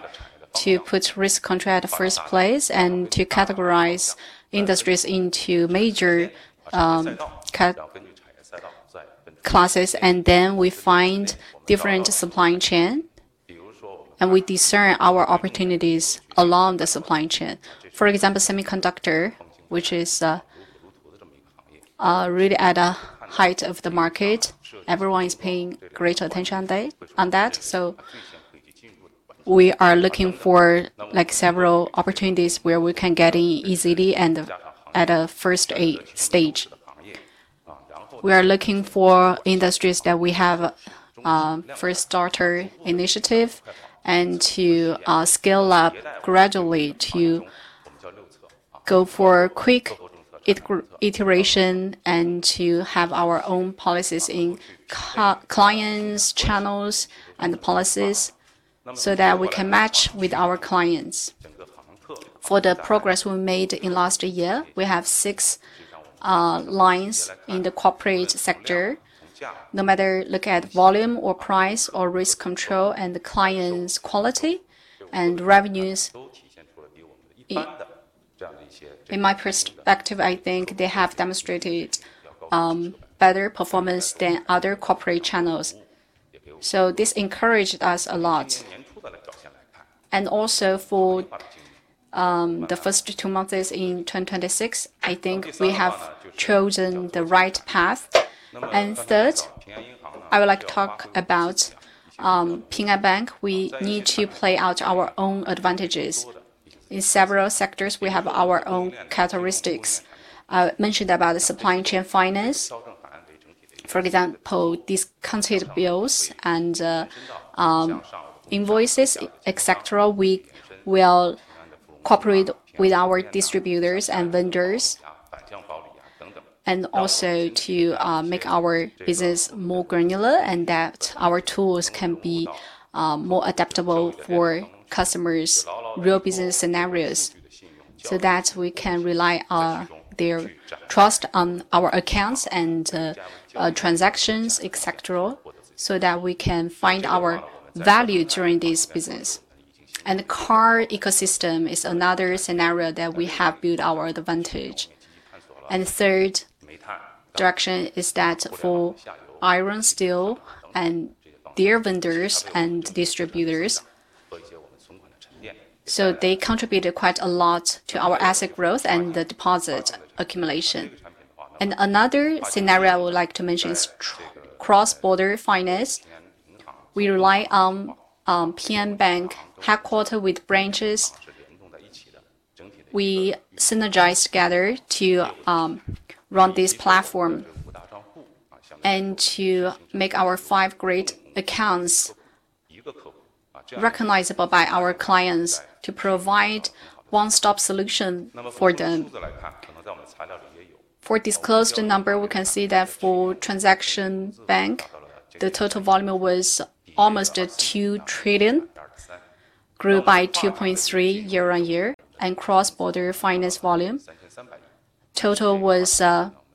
to put risk control at the first place and to categorize industries into major categories. We find different supply chain, and we discern our opportunities along the supply chain. For example, semiconductor, which is really at a height of the market. Everyone is paying great attention to that. We are looking for like several opportunities where we can get in easily and at a first stage. We are looking for industries that we have first starter initiative and to scale up gradually to go for quick iteration and to have our own policies in clients, channels and policies so that we can match with our clients. For the progress we made in last year, we have 6 lines in the corporate sector. No matter look at volume or price or risk control and the client's quality and revenues. In my perspective, I think they have demonstrated better performance than other corporate channels. This encouraged us a lot. For the first two months in 2026, I think we have chosen the right path. Third, I would like to talk about Ping An Bank. We need to play out our own advantages. In several sectors, we have our own characteristics. Mentioned about the supply chain finance. For example, discounted bills and invoices, et cetera. We will cooperate with our distributors and vendors to make our business more granular and that our tools can be more adaptable for customers' real business scenarios, so that we can rely on their trust on our accounts and transactions, et cetera, so that we can find our value during this business. Car ecosystem is another scenario that we have built our advantage. Third direction is that for iron, steel and their vendors and distributors. They contributed quite a lot to our asset growth and the deposit accumulation. Another scenario I would like to mention is trade cross-border finance. We rely on Ping An Bank headquarters with branches. We synergize together to run this platform and to make our five great accounts recognizable by our clients to provide one-stop solution for them. For disclosed number, we can see that for transaction bank, the total volume was almost 2 trillion, grew by 2.3% year-over-year and cross-border finance volume total was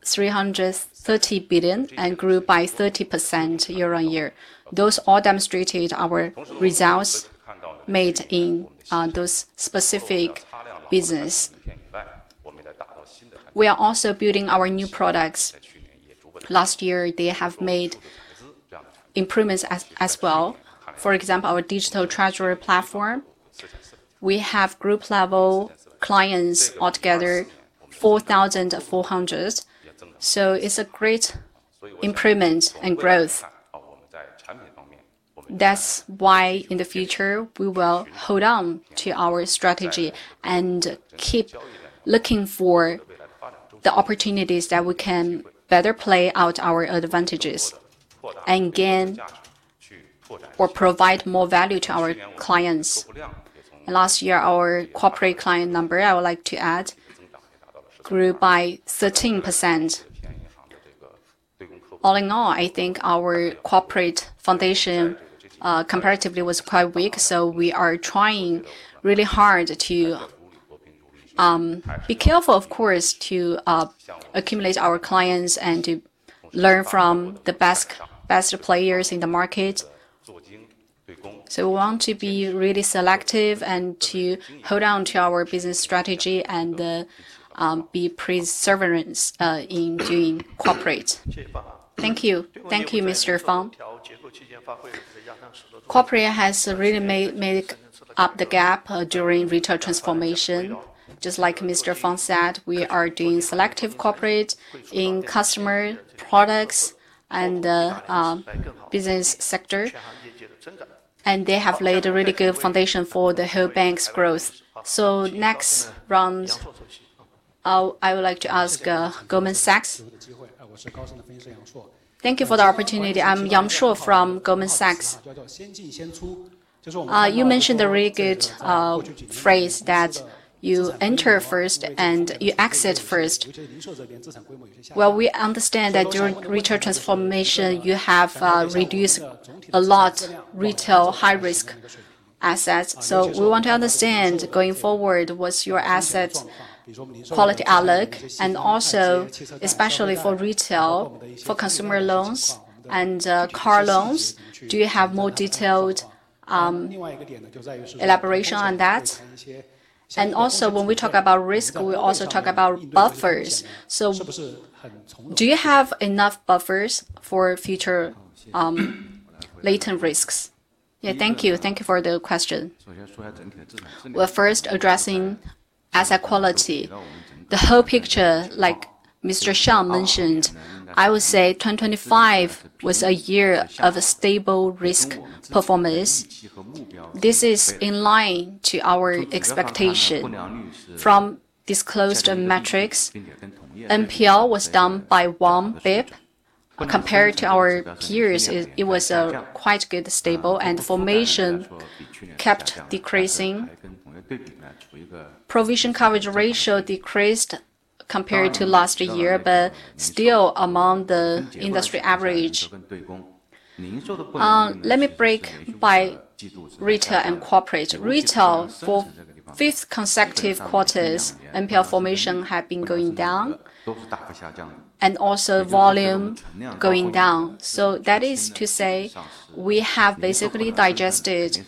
330 billion and grew by 30% year-over-year. Those all demonstrated our results made in those specific business. We are also building our new products. Last year they have made improvements as well. For example, our Digital Treasury Platform, we have group level clients altogether 4,400. It's a great improvement and growth. That's why in the future, we will hold on to our strategy and keep looking for the opportunities that we can better play out our advantages and gain or provide more value to our clients. Last year, our corporate client number, I would like to add, grew by 13%. All in all, I think our corporate foundation comparatively was quite weak, so we are trying really hard to be careful, of course, to accumulate our clients and to learn from the best players in the market. We want to be really selective and to hold on to our business strategy and be perseverant in doing corporate. Thank you. Thank you, Mr. Fang. Corporate has really made up the gap during retail transformation. Just like Mr. Fang said, we are doing selective corporate in customer products and business sector. They have laid a really good foundation for the whole bank's growth. Next round, I would like to ask Goldman Sachs. Thank you for the opportunity. I'm Yang Shu from Goldman Sachs. You mentioned a really good phrase that you enter first and you exit first. Well, we understand that during retail transformation, you have reduced a lot of retail high-risk assets. We want to understand, going forward, what's your asset quality outlook, and also especially for retail, for consumer loans and car loans, do you have more detailed elaboration on that? When we talk about risk, we also talk about buffers. Do you have enough buffers for future latent risks? Yeah. Thank you. Thank you for the question. We're first addressing asset quality. The whole picture, like Mr. Xiang mentioned, I would say 2025 was a year of a stable risk performance. This is in line to our expectation. From disclosed metrics, NPL was down by 1 bp. Compared to our peers, it was quite good, stable, and formation kept decreasing. Provision coverage ratio decreased compared to last year, but still among the industry average. Let me break by retail and corporate. Retail, for fifth consecutive quarters, NPL formation have been going down, and also volume going down. That is to say we have basically digested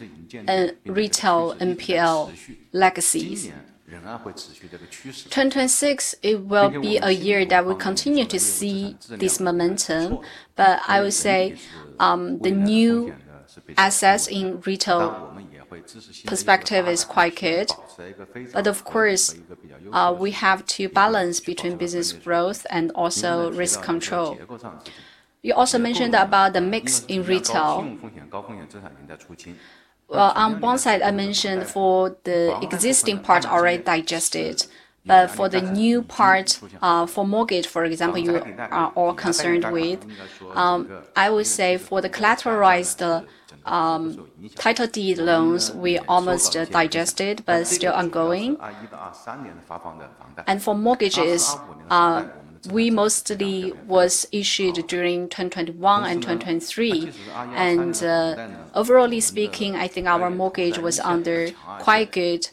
retail NPL legacies. 2026, it will be a year that we continue to see this momentum, but I will say, the new assets in retail perspective is quite good. Of course, we have to balance between business growth and also risk control. You also mentioned about the mix in retail. Well, on one side, I mentioned for the existing part already digested. For the new part, for mortgage, for example, you are all concerned with, I would say for the collateralized, title deed loans, we almost digested, but it's still ongoing. For mortgages, we mostly was issued during 2021 and 2023. Overall speaking, I think our mortgage was under quite good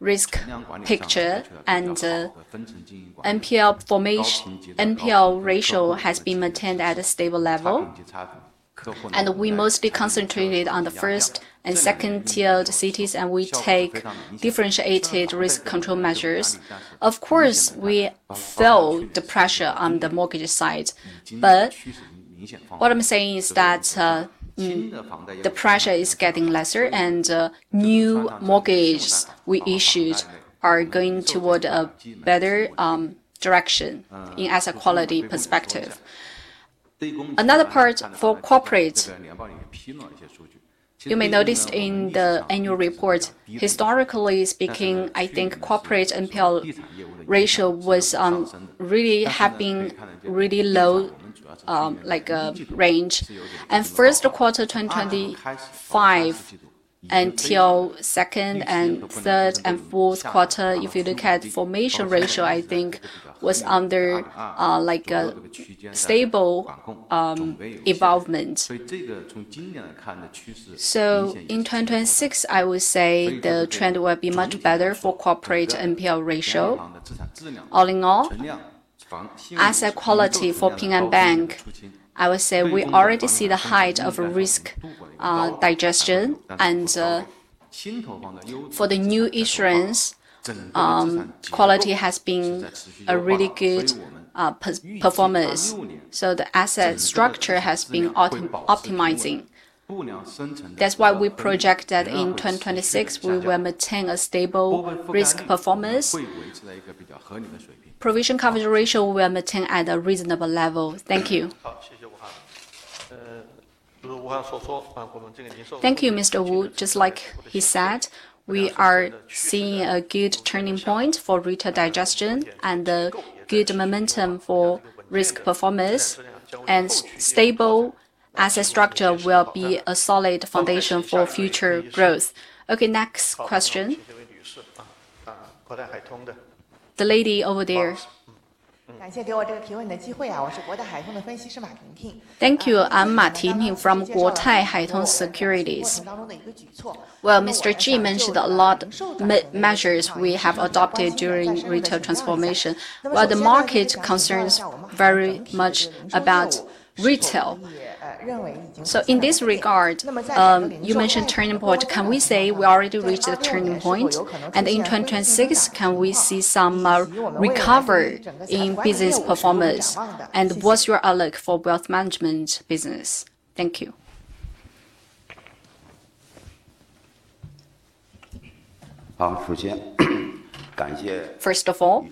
risk picture. NPL ratio has been maintained at a stable level. We mostly concentrated on the first and second-tier cities, and we take differentiated risk control measures. Of course, we felt the pressure on the mortgage side, but what I'm saying is that, the pressure is getting lesser and, new mortgage we issued are going toward a better, direction in asset quality perspective. Another part for corporate, you may noticed in the annual report, historically speaking, I think corporate NPL ratio was, really have been really low, like, range. Q1 2025 until second and third and Q4, if you look at formation ratio, I think was under, like a stable, evolvement. In 2026, I would say the trend will be much better for corporate NPL ratio. All in all, asset quality for Ping An Bank. I would say we already see the height of a risk digestion. For new issuance, quality has been a really good performance. The asset structure has been optimizing. That's why we project that in 2026, we will maintain a stable risk performance. Provision coverage ratio will maintain at a reasonable level. Thank you. Thank you, Mr. Wu. Just like he said, we are seeing a good turning point for retail digestion and a good momentum for risk performance. Stable asset structure will be a solid foundation for future growth. Okay, next question. The lady over there. Thank you. I'm Ma Dini from Guotai Junan Securities. Well, Mr. Ji mentioned a lot measures we have adopted during retail transformation, while the market concerns very much about retail. In this regard, you mentioned turning point, can we say we already reached the turning point? And in 2026, can we see some recovery in business performance? And what's your outlook for wealth management business? Thank you. First of all,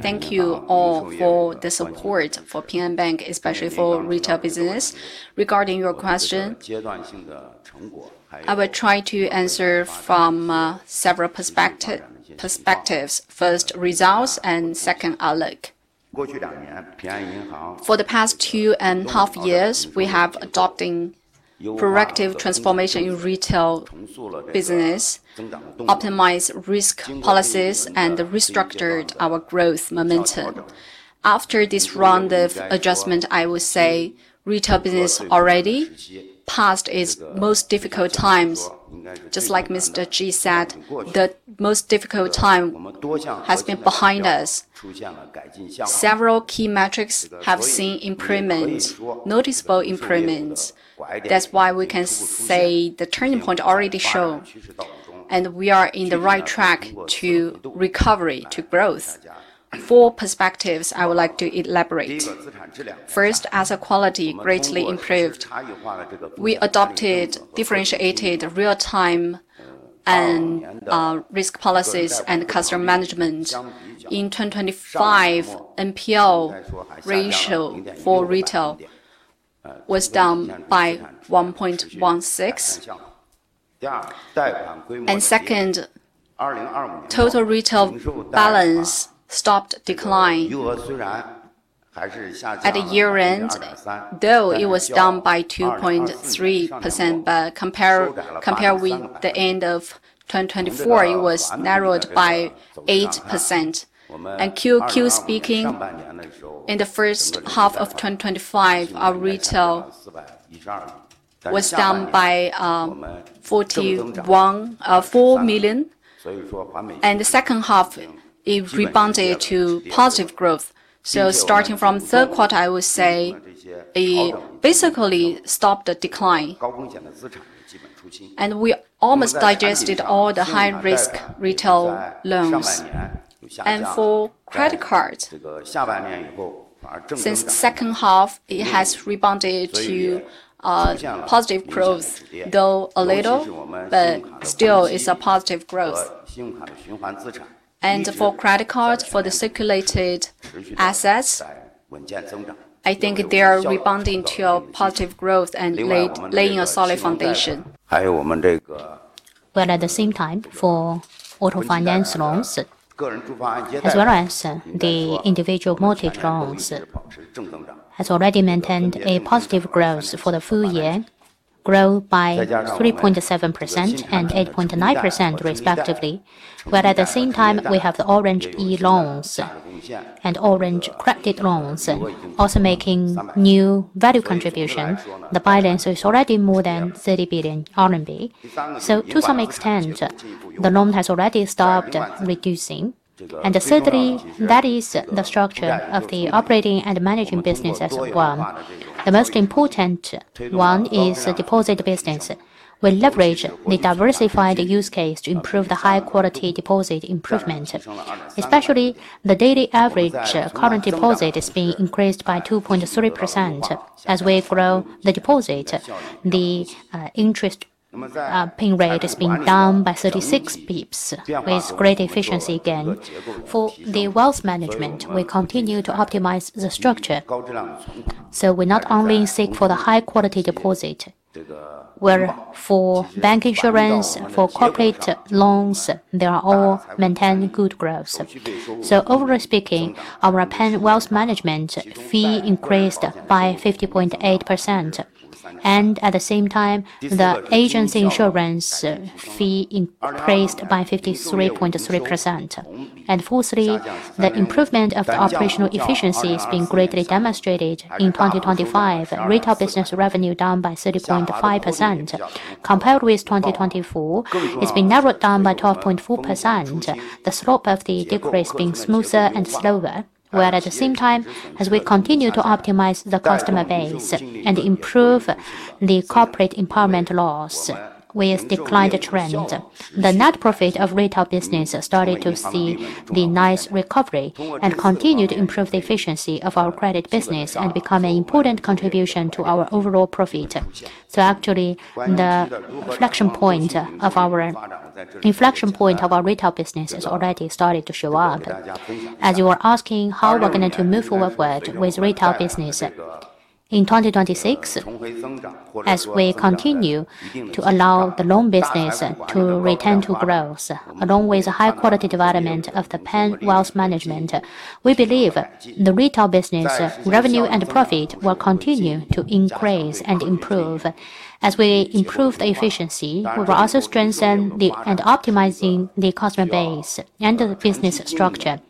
thank you all for the support for Ping An Bank, especially for retail business. Regarding your question, I will try to answer from several perspectives. First, results, and second, outlook. For the past two and a half years, we have adopting proactive transformation in retail business, optimize risk policies, and restructured our growth momentum. After this round of adjustment, I will say retail business already passed its most difficult times. Just like Mr. Ji said, the most difficult time has been behind us. Several key metrics have seen improvements, noticeable improvements. That's why we can say the turning point already shown, and we are in the right track to recovery, to growth. Four perspectives I would like to elaborate. First, asset quality greatly improved. We adopted differentiated real-time risk policies and customer management. In 2025, NPL ratio for retail was down by 1.16. Second, total retail balance stopped decline. At the year-end, though it was down by 2.3%, but comparing the end of 2024, it was narrowed by 8%. QQ speaking, in the first half of 2025, our retail was down by 41.4 million. The second half, it rebounded to positive growth. Starting from Q3, I would say it basically stopped the decline. We almost digested all the high-risk retail loans. For credit card, since the second half, it has rebounded to positive growth, though a little, but still it's a positive growth. For credit card, for the circulating assets, I think they are rebounding to a positive growth and laying a solid foundation. At the same time, for auto finance loans, as well as the individual multi-loans, has already maintained a positive growth for the full year, grow by 3.7% and 8.9% respectively. At the same time, we have the Orange e-loans and orange credit loans also making new value contribution. The balance is already more than 30 billion RMB. To some extent, the loan has already stopped reducing. Thirdly, that is the structure of the operating and managing business as one. The most important one is the deposit business. We leverage the diversified use case to improve the high quality deposit improvement, especially the daily average current deposit is being increased by 2.3%. As we grow the deposit, the interest LPR is being down by 36 basis points with great efficiency gain. For the wealth management, we continue to optimize the structure. We not only seek for the high quality deposit. Whereas for bank insurance, for corporate loans, they are all maintaining good growth. Overall speaking, our Ping An wealth management fee increased by 50.8%. At the same time, the agency insurance fee increased by 53.3%. Fourthly, the improvement of the operational efficiency is being greatly demonstrated. In 2025, retail business revenue down by 30.5%. Compared with 2024, it's been narrowed down by 12.4%. The slope of the decrease being smoother and slower. While at the same time, as we continue to optimize the customer base and improve the corporate empowerment, loans with declining trend, the net profit of retail business has started to see the nice recovery and continue to improve the efficiency of our credit business and become an important contribution to our overall profit. Actually, the inflection point of our retail business has already started to show up. As you are asking, how we're going to move forward with retail business? In 2026, as we continue to allow the loan business to return to growth, along with the high-quality development of the Ping An and wealth management, we believe the retail business revenue and profit will continue to increase and improve. As we improve the efficiency, we will also strengthen and optimizing the customer base and the business structure.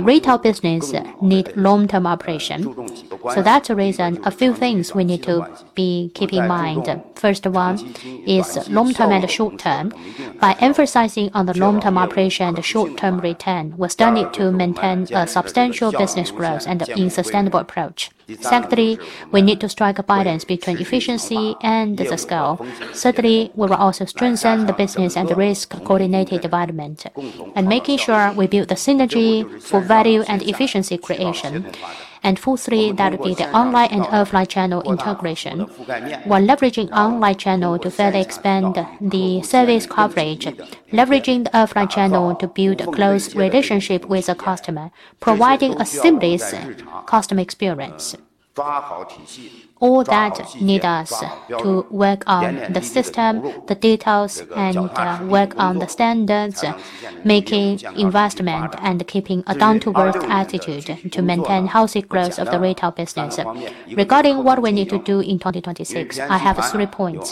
Retail business need long-term operation. That's the reason a few things we need to be keeping in mind. First one is long-term and short-term. By emphasizing on the long-term operation and the short-term return, we still need to maintain a substantial business growth and a sustainable approach. Secondly, we need to strike a balance between efficiency and the scale. Thirdly, we will also strengthen the business and the risk-coordinated development, and making sure we build the synergy for value and efficiency creation. Fourthly, that'll be the online and offline channel integration. We're leveraging online channel to further expand the service coverage, leveraging the offline channel to build a close relationship with the customer, providing a seamless customer experience. All that need us to work on the system, the details, and work on the standards, making investment, and keeping a down-to-earth attitude to maintain healthy growth of the retail business. Regarding what we need to do in 2026, I have three points.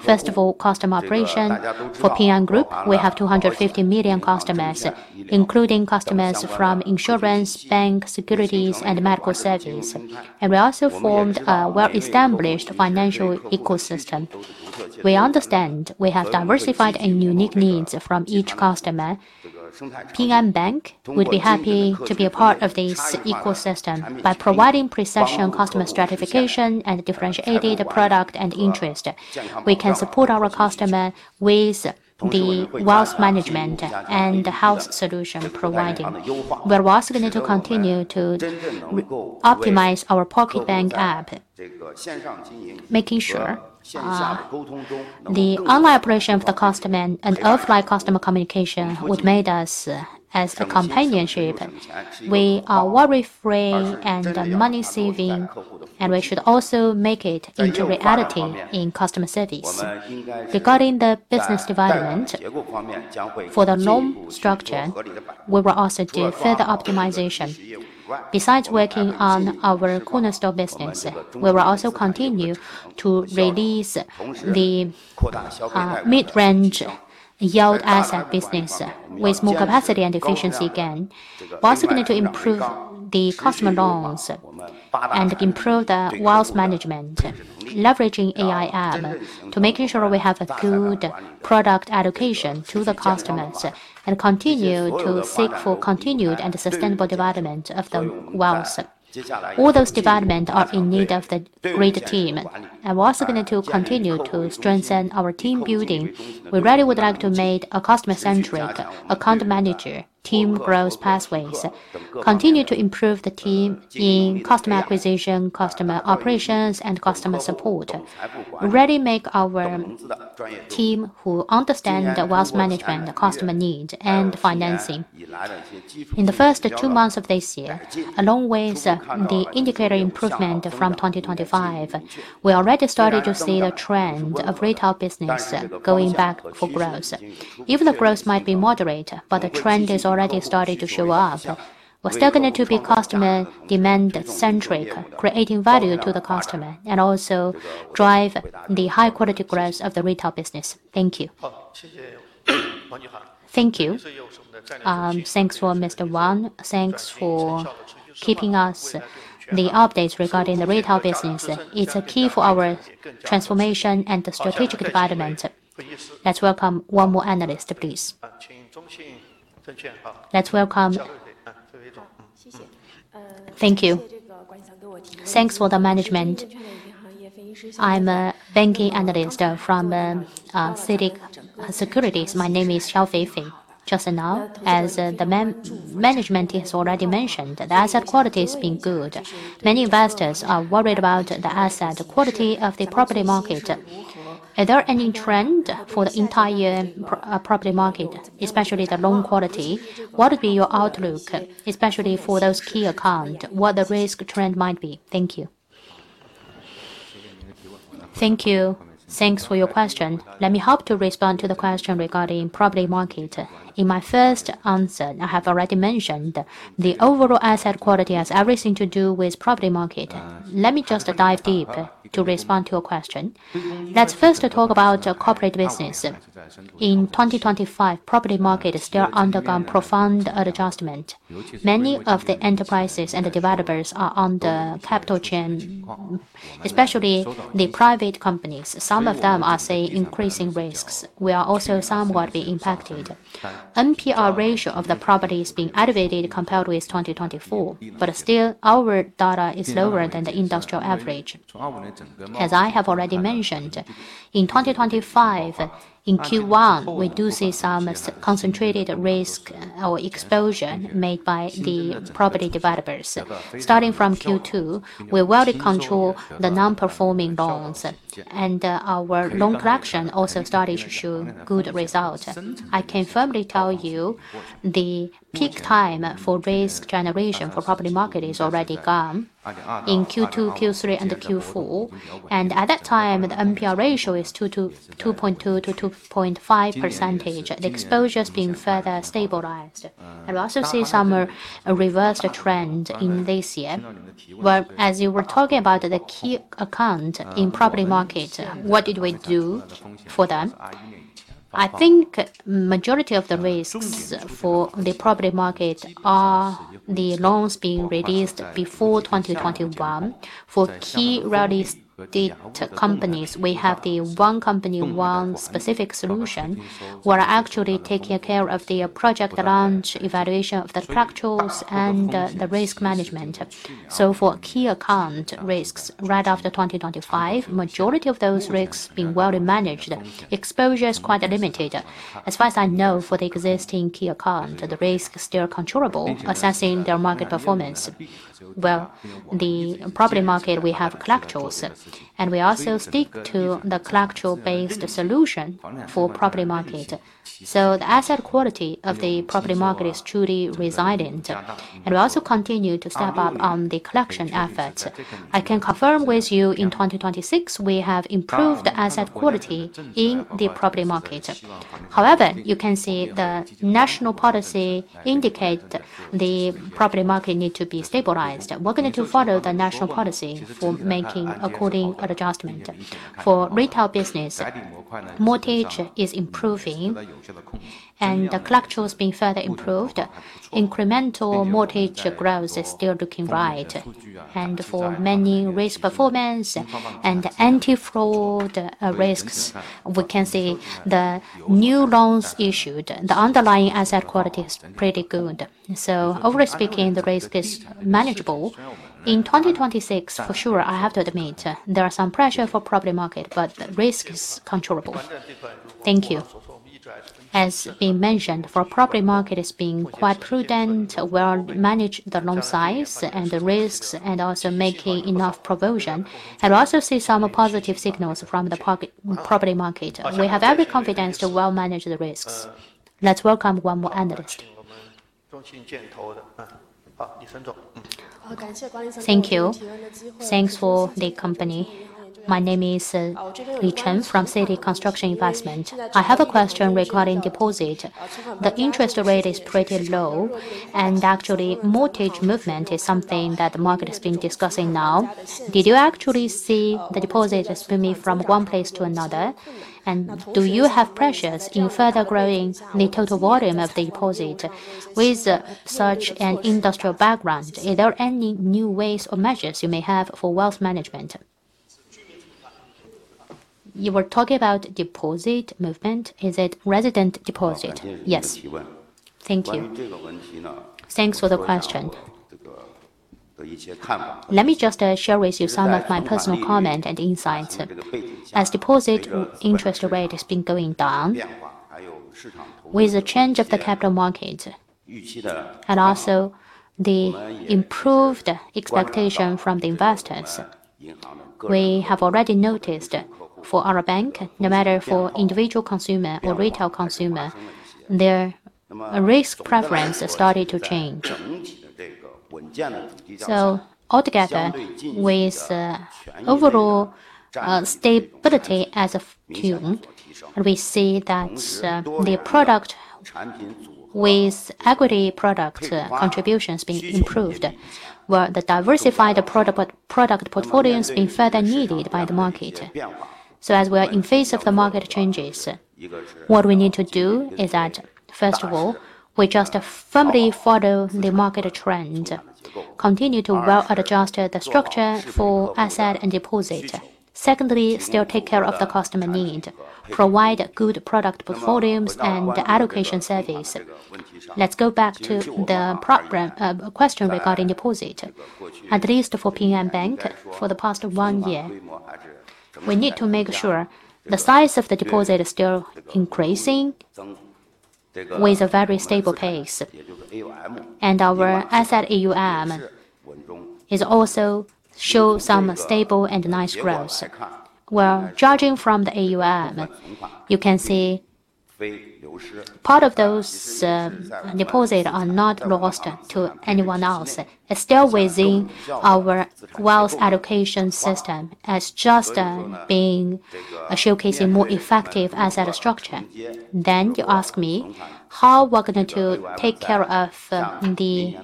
First of all, customer operation. For Ping An Group, we have 250 million customers, including customers from insurance, bank, securities, and medical service. We also formed a well-established financial ecosystem. We understand we have diversified and unique needs from each customer. Ping An Bank would be happy to be a part of this ecosystem by providing precision customer stratification and differentiating the product and interest. We can support our customer with the wealth management and the health solution providing. We're also going to continue to optimize our pocket bank app, making sure the online operation for the customer and offline customer communication would make us as a companionship. We are worry-free and money-saving, and we should also make it into reality in customer service. Regarding the business development, for the loan structure, we will also do further optimization. Besides working on our cornerstone business, we will also continue to release the mid-range yield asset business with more capacity and efficiency gain. We're also going to improve the customer loans and improve the wealth management, leveraging AI app to making sure we have a good product allocation to the customers and continue to seek for continued and sustainable development of the wealth. All those development are in need of the great team. We're also going to continue to strengthen our team building. We really would like to make a customer-centric account manager, team growth pathways, continue to improve the team in customer acquisition, customer operations, and customer support. Really make our team who understand the wealth management, the customer need, and financing. In the first two months of this year, along with the indicator improvement from 2025, we already started to see the trend of retail business going back for growth. Even the growth might be moderate, but the trend is already starting to show up. We're still going to be customer demand centric, creating value to the customer, and also drive the high quality growth of the retail business. Thank you. Thanks for Mr. Wang. Thanks for keeping us the updates regarding the retail business. It's a key for our transformation and the strategic development. Let's welcome one more analyst, please. Thank you. Thanks for the management. I'm a banking analyst from CITIC Securities. My name is Xiaofei Fei. Just now, as the management has already mentioned, the asset quality has been good. Many investors are worried about the asset quality of the property market. Are there any trend for the entire property market, especially the loan quality? What would be your outlook, especially for those key account, what the risk trend might be? Thank you. Thanks for your question. Let me help to respond to the question regarding property market. In my first answer, I have already mentioned the overall asset quality has everything to do with property market. Let me just dive deeper to respond to your question. Let's first talk about our corporate business. In 2025, property market is still undergoing profound adjustment. Many of the enterprises and the developers are on the capital chain, especially the private companies. Some of them are seeing increasing risks. We are also somewhat being impacted. NPL ratio of the property is being elevated compared with 2024, but still our data is lower than the industrial average. As I have already mentioned, in 2025, in Q1, we do see some concentrated risk or exposure made by the property developers. Starting from Q2, we will control the non-performing loans and our loan collection also started to show good result. I can firmly tell you the peak time for risk generation for property market is already gone in Q2, Q3, and Q4. At that time, the NPL ratio is 2.2%-2.5%. The exposure is being further stabilized. I also see some reversed trend in this year. Well, as you were talking about the key account in property market, what did we do for them? I think majority of the risks for the property market are the loans being released before 2021. For key real estate companies, we have the one company, one specific solution. We are actually taking care of the project launch, evaluation of the structures and the risk management. For key account risks, right after 2025, majority of those risks being well managed. Exposure is quite limited. As far as I know, for the existing key account, the risk is still controllable. Assessing their market performance, well, the property market, we have collections, and we also stick to the collections-based solution for property market. The asset quality of the property market is truly resilient. We also continue to step up on the collection efforts. I can confirm with you in 2026, we have improved the asset quality in the property market. However, you can see the national policy indicate the property market need to be stabilized. We're going to follow the national policy for making adjustments accordingly. For retail business, mortgage is improving and the collections being further improved. Incremental mortgage growth is still looking bright. For main risk performance and anti-fraud risks, we can say the new loans issued, the underlying asset quality is pretty good. Overall speaking, the risk is manageable. In 2026, for sure, I have to admit, there are some pressure for property market, but the risk is controllable. Thank you. As being mentioned, for property market is being quite prudent, well manage the loan size and the risks, and also making enough provision. We also see some positive signals from the property market. We have every confidence to well manage the risks. Let's welcome one more analyst. Thank you. Thanks for the company. My name is, Li Chen from CITIC Construction Investment Securities. I have a question regarding deposit. The interest rate is pretty low, and actually mortgage movement is something that the market has been discussing now. Did you actually see the deposit is moving from one place to another? Do you have pressures in further growing the total volume of the deposit? With such an industrial background, are there any new ways or measures you may have for wealth management? You were talking about deposit movement. Is it resident deposit? Yes. Thank you. Thanks for the question. Let me just share with you some of my personal comments and insights. As deposit interest rate has been going down, with the change of the capital markets and also the improved expectation from the investors, we have already noticed for our bank, no matter for individual consumer or retail consumer, their risk preference has started to change. All together with overall stability of the yuan, and we see that the product with equity product contributions being improved, while the diversified product portfolio is being further needed by the market. As we are in phase of the market changes, what we need to do is that, first of all, we just firmly follow the market trend, continue to well adjust the structure for asset and deposit. Secondly, still take care of the customer need, provide good product portfolios and allocation service. Let's go back to the problem, question regarding deposit. At least for Ping An Bank, for the past one year, we need to make sure the size of the deposit is still increasing with a very stable pace. Our asset AUM is also show some stable and nice growth. Well, judging from the AUM, you can see part of those deposit are not lost to anyone else. It's still within our wealth allocation system as just, being, showcasing more effective asset structure. You ask me how we're going to take care of the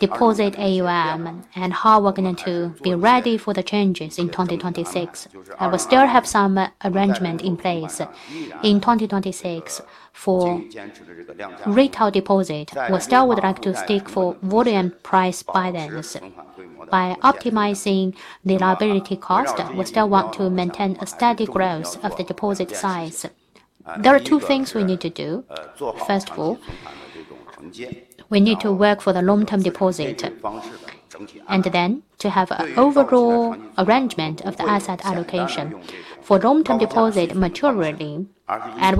deposit AUM and how we're going to be ready for the changes in 2026. I will still have some arrangement in place. In 2026, for retail deposit, we still would like to stick to volume price balance. By optimizing the liability cost, we still want to maintain a steady growth of the deposit size. There are two things we need to do. First of all, we need to work for the long-term deposit, and then to have an overall arrangement of the asset allocation for long-term deposit materially.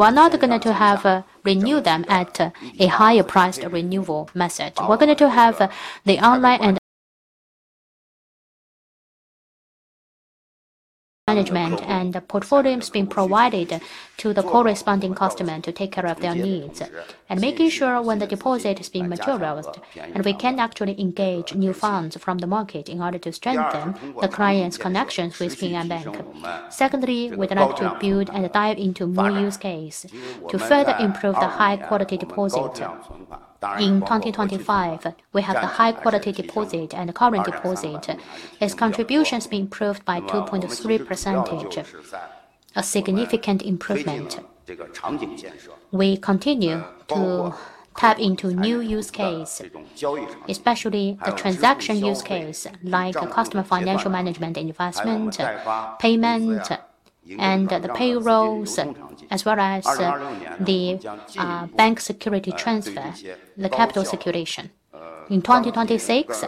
We're not gonna renew them at a higher price of renewal method. We're going to have the online management and the portfolios being provided to the corresponding customer to take care of their needs. Making sure when the deposit is being materialized, and we can actually engage new funds from the market in order to strengthen the client's connections with Ping An Bank. Secondly, we'd like to build and dive into more use case to further improve the high-quality deposit. In 2025, we have the high-quality deposit and the current deposit. Its contribution has been improved by 2.3%. A significant improvement. We continue to tap into new use case, especially the transaction use case like customer financial management investment, payment, and the payrolls, as well as the bank security transfer, the capital security. In 2026,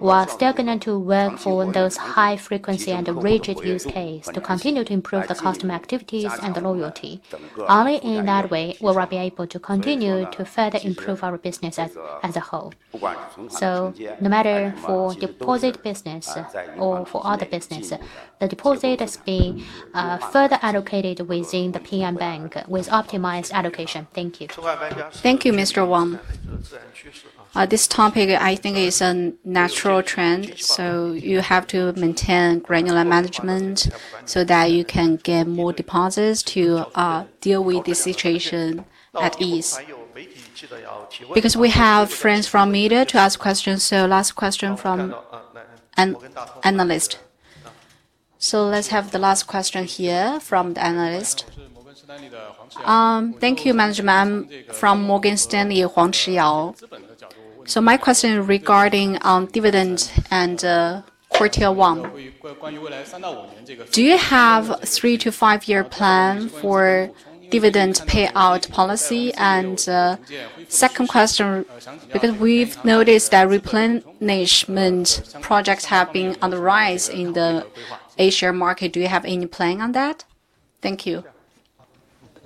we are still going to work on those high frequency and rigid use case to continue to improve the customer activities and the loyalty. Only in that way will we be able to continue to further improve our business as a whole. No matter for deposit business or for other business, the deposit is being further allocated within the PM Bank with optimized allocation. Thank you. Thank you, Mr. Wang. This topic I think is a natural trend, so you have to maintain granular management so that you can get more deposits to deal with the situation at ease. Because we have friends from media to ask questions, last question from an analyst. Let's have the last question here from the analyst. Thank you management. I'm from Morgan Stanley, Chiyao Huang. My question regarding on dividend and Q1. Do you have three to five-year plan for dividend payout policy? Second question, because we've noticed that replenishment projects have been on the rise in the Asia market. Do you have any plan on that? Thank you.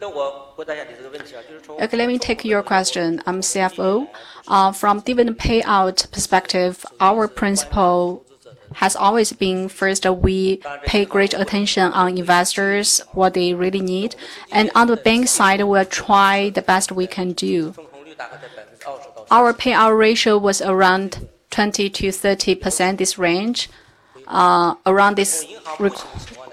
Okay, let me take your question. I'm CFO. From dividend payout perspective, our principle has always been, first, we pay great attention on investors, what they really need. On the bank side, we try the best we can do. Our payout ratio was around 20%-30%, this range. Around this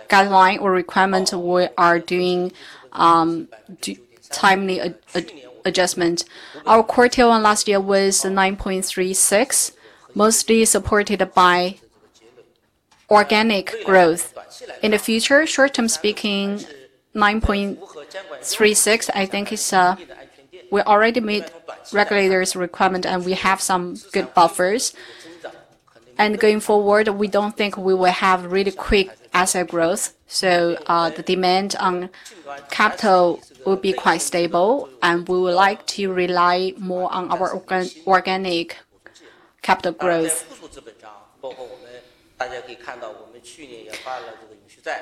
guideline or requirement, we are doing timely adjustment. Our Q1 last year was 9.36%, mostly supported by organic growth. In the future, short-term speaking, 9.36%, I think, is we already made regulators' requirement, and we have some good buffers. Going forward, we don't think we will have really quick asset growth. The demand on capital will be quite stable, and we would like to rely more on our organic capital growth.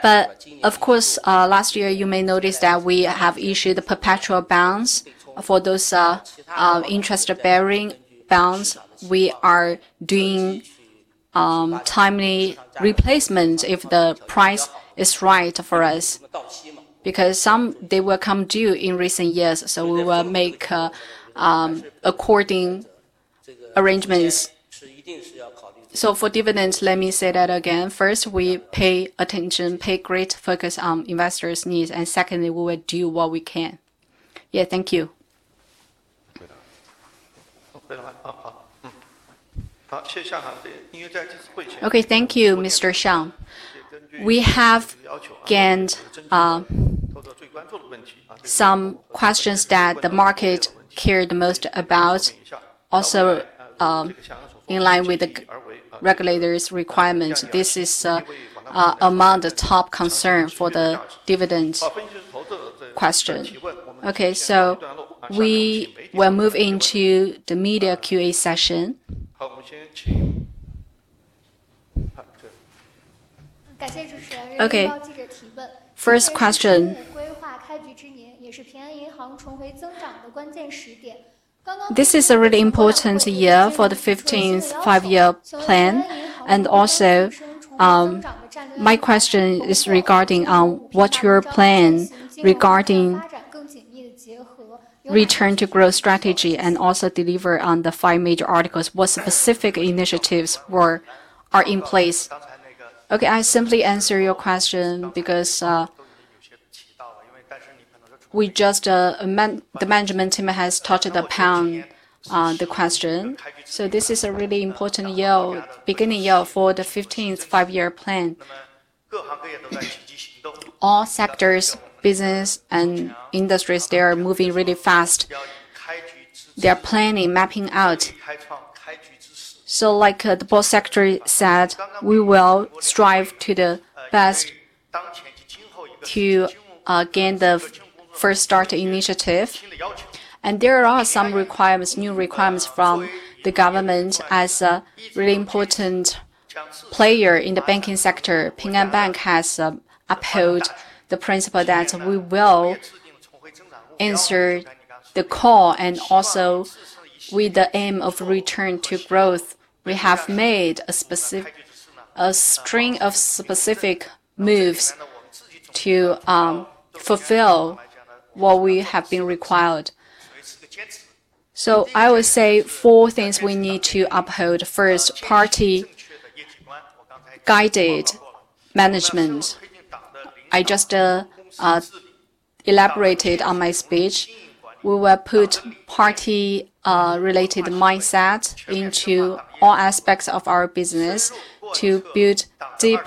But of course, last year, you may notice that we have issued perpetual bonds. For those interest-bearing bonds, we are doing timely replacements if the price is right for us, because some they will come due in recent years. We will make appropriate arrangements. For dividends, let me say that again. First, we pay attention, pay great focus on investors' needs. Secondly, we will do what we can. Yeah, thank you. Okay, thank you, Mr. Xiang. We have gathered some questions that the market cared most about. Also, in line with the regulators' requirements, this is among the top concern for the dividends question. Okay, so we will move into the media QA session. Okay, first question. This is a really important year for the 15th Five-Year Plan, and also, my question is regarding what your plan regarding return to growth strategy and also deliver on the Five Major Articles. What specific initiatives are in place? Okay, I simply answer your question because the management team has touched upon the question. This is a really important year, beginning year for the 15th Five-Year Plan. All sectors, business and industries, they are moving really fast. They're planning, mapping out. Like, the Board Secretary said, we will strive to the best to gain the first start initiative. There are some requirements, new requirements from the government. As a really important player in the banking sector, Ping An Bank has uphold the principle that we will answer the call and also with the aim of return to growth. We have made a string of specific moves to fulfill what we have been required. I would say four things we need to uphold. First, Party-guided management. I just elaborated on my speech, we will put Party related mindset into all aspects of our business to build deep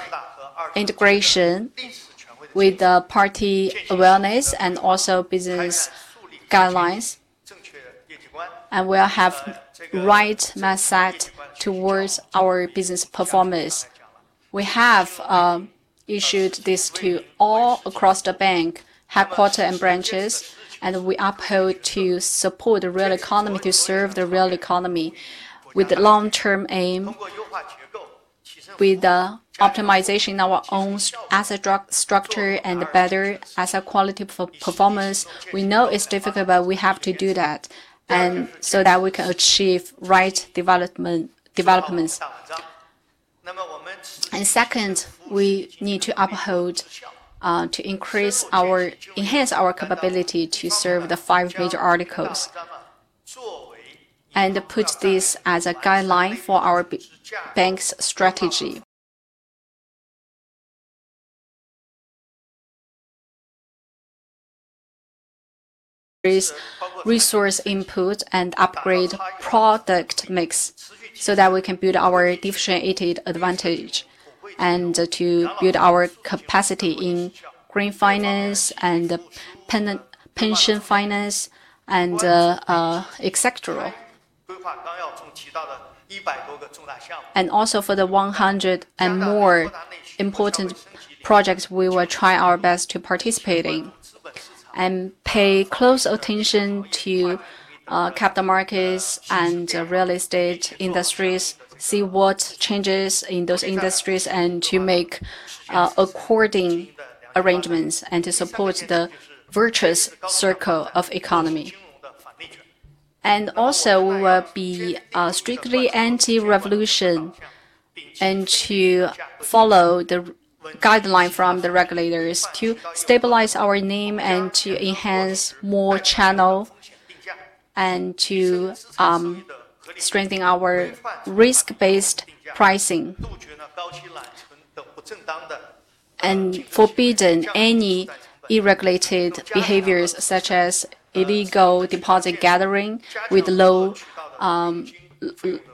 integration with the Party awareness and also business guidelines, and we'll have right mindset towards our business performance. We have issued this to all across the bank, headquarters and branches, and we uphold to support the real economy, to serve the real economy with the long-term aim. With the optimization of our own asset structure and better asset quality performance, we know it's difficult, but we have to do that so that we can achieve right development. Second, we need to uphold to enhance our capability to serve the Five Major Articles and put this as a guideline for our bank's strategy, in resource input and upgrade product mix so that we can build our differentiated advantage and to build our capacity in green finance and pension finance, et cetera. For the 100 and more important projects we will try our best to participate in and pay close attention to capital markets and real estate industries, see what changes in those industries and to make corresponding arrangements and to support the virtuous circle of economy. We will be strictly anti-corruption and to follow the guidelines from the regulators to stabilize our NIM and to enhance our channels and to strengthen our risk-based pricing. We will forbid any unregulated behaviors such as illegal deposit gathering with low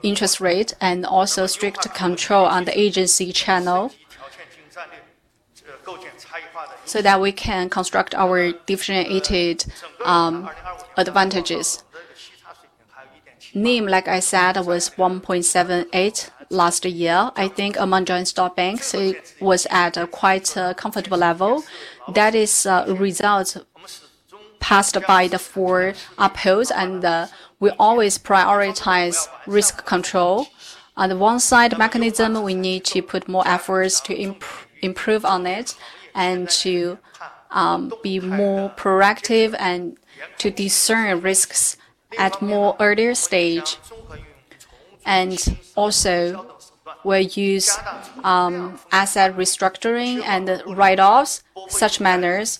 interest rates and also strict control on the agency channels so that we can construct our differentiated advantages. NIM, like I said, was 1.78% last year. I think among joint-stock banks, it was at a quite comfortable level. That is, result passed by the Four Upholds and we always prioritize risk control. On the one side mechanism, we need to put more efforts to improve on it and to be more proactive and to discern risks at an earlier stage and also we'll use asset restructuring and write-offs such measures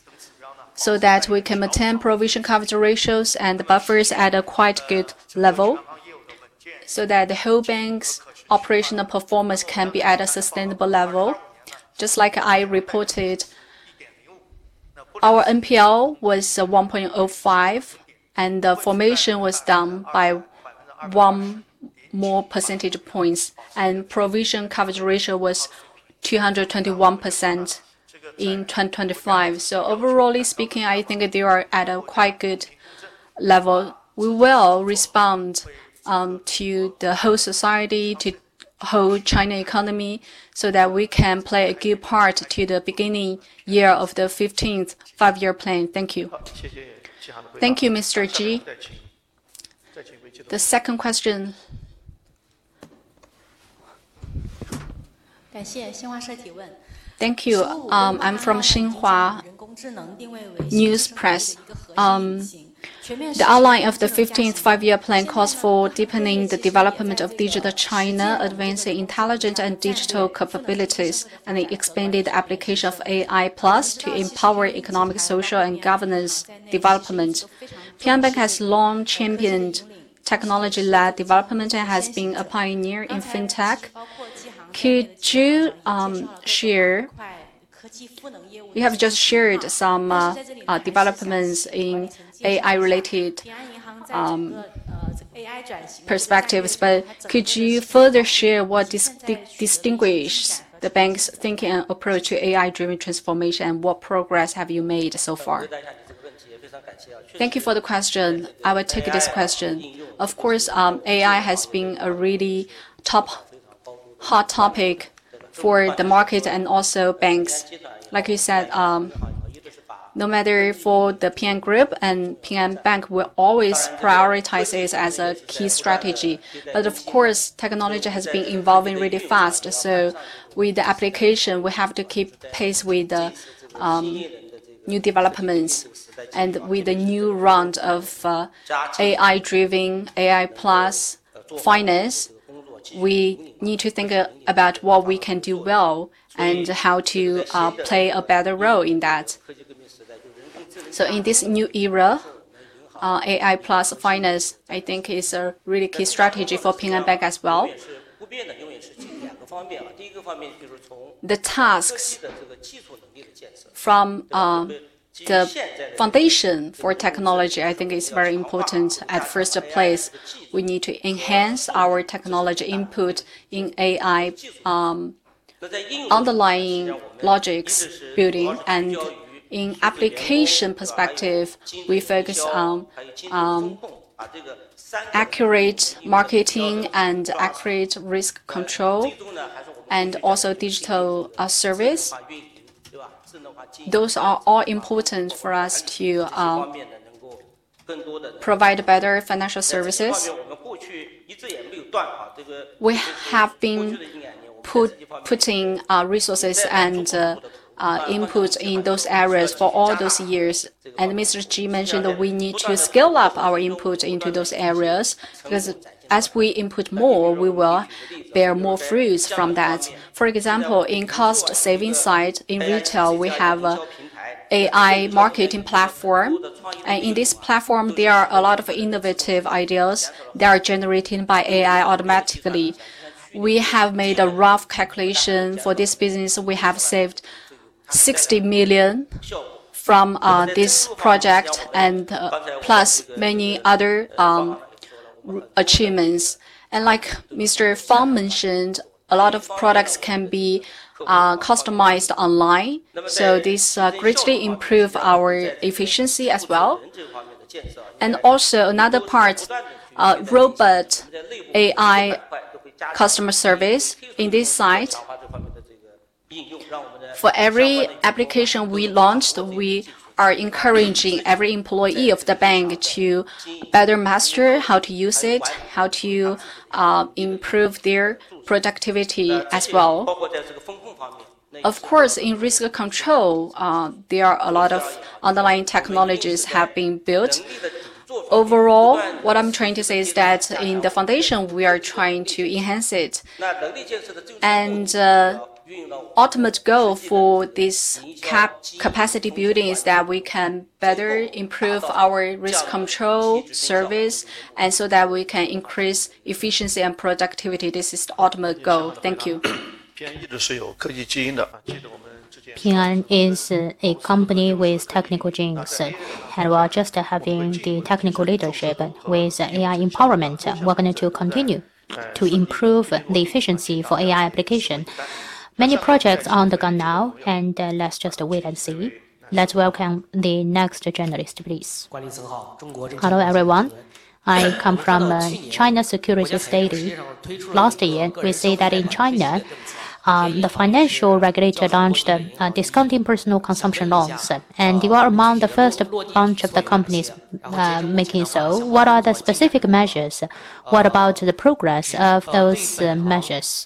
so that we can maintain provision coverage ratios and buffers at a quite good level, so that the whole bank's operational performance can be at a sustainable level. Just like I reported, our NPL was 1.05, and the formation was down by 1 percentage point, and provision coverage ratio was 221% in 2025. Overall speaking, I think they are at a quite good level. We will respond to the whole society, to the whole China economy, so that we can play a good part to the beginning year of the 15th Five-Year Plan. Thank you. Thank you, Mr. Ji. The second question. Thank you. I'm from Xinhua News Agency. The outline of the 15th Five-Year Plan calls for deepening the development of Digital China, advancing intelligent and digital capabilities, and the expanded application of AI plus to empower economic, social, and governance development. Ping An Bank has long championed technology-led development and has been a pioneer in fintech. Could you share. You have just shared some developments in AI-related perspectives, but could you further share what distinguishes the bank's thinking and approach to AI-driven transformation? What progress have you made so far? Thank you for the question. I will take this question. Of course, AI has been a really top hot topic for the market and also banks. Like you said, no matter for the Ping An Group and Ping An Bank, we always prioritize this as a key strategy. Of course, technology has been evolving really fast. With the application, we have to keep pace with the new developments. With the new round of AI-driven, AI plus finance, we need to think about what we can do well and how to play a better role in that. In this new era, AI plus finance, I think is a really key strategy for Ping An Bank as well. The tasks from the foundation for technology, I think is very important. At first place, we need to enhance our technology input in AI, underlying logics building. In application perspective, we focus on accurate marketing and accurate risk control and also digital service. Those are all important for us to provide better financial services. We have been putting resources and inputs in those areas for all those years. Mr. Ji mentioned that we need to scale up our input into those areas because as we input more, we will bear more fruits from that. For example, in cost-saving side, in retail, we have AI marketing platform. In this platform, there are a lot of innovative ideas that are generated by AI automatically. We have made a rough calculation for this business. We have saved 60 million from this project and plus many other achievements. Like Mr. Fang mentioned, a lot of products can be customized online. These greatly improve our efficiency as well. Also another part, robot AI customer service in this site. For every application we launched, we are encouraging every employee of the bank to better master how to use it, how to improve their productivity as well. Of course, in risk control, there are a lot of underlying technologies have been built. Overall, what I'm trying to say is that in the foundation, we are trying to enhance it. Ultimate goal for this capacity building is that we can better improve our risk control service and so that we can increase efficiency and productivity. This is the ultimate goal. Thank you. Ping An is a company with technical genes. While just having the technical leadership with AI empowerment, we're going to continue to improve the efficiency for AI application. Many projects are on the ground now, and let's just wait and see. Let's welcome the next journalist, please. Hello, everyone. I come from China Securities Journal. Last year, we see that in China, the financial regulator launched a discounting personal consumption loans. You are among the first bunch of the companies doing so. What are the specific measures? What about the progress of those measures?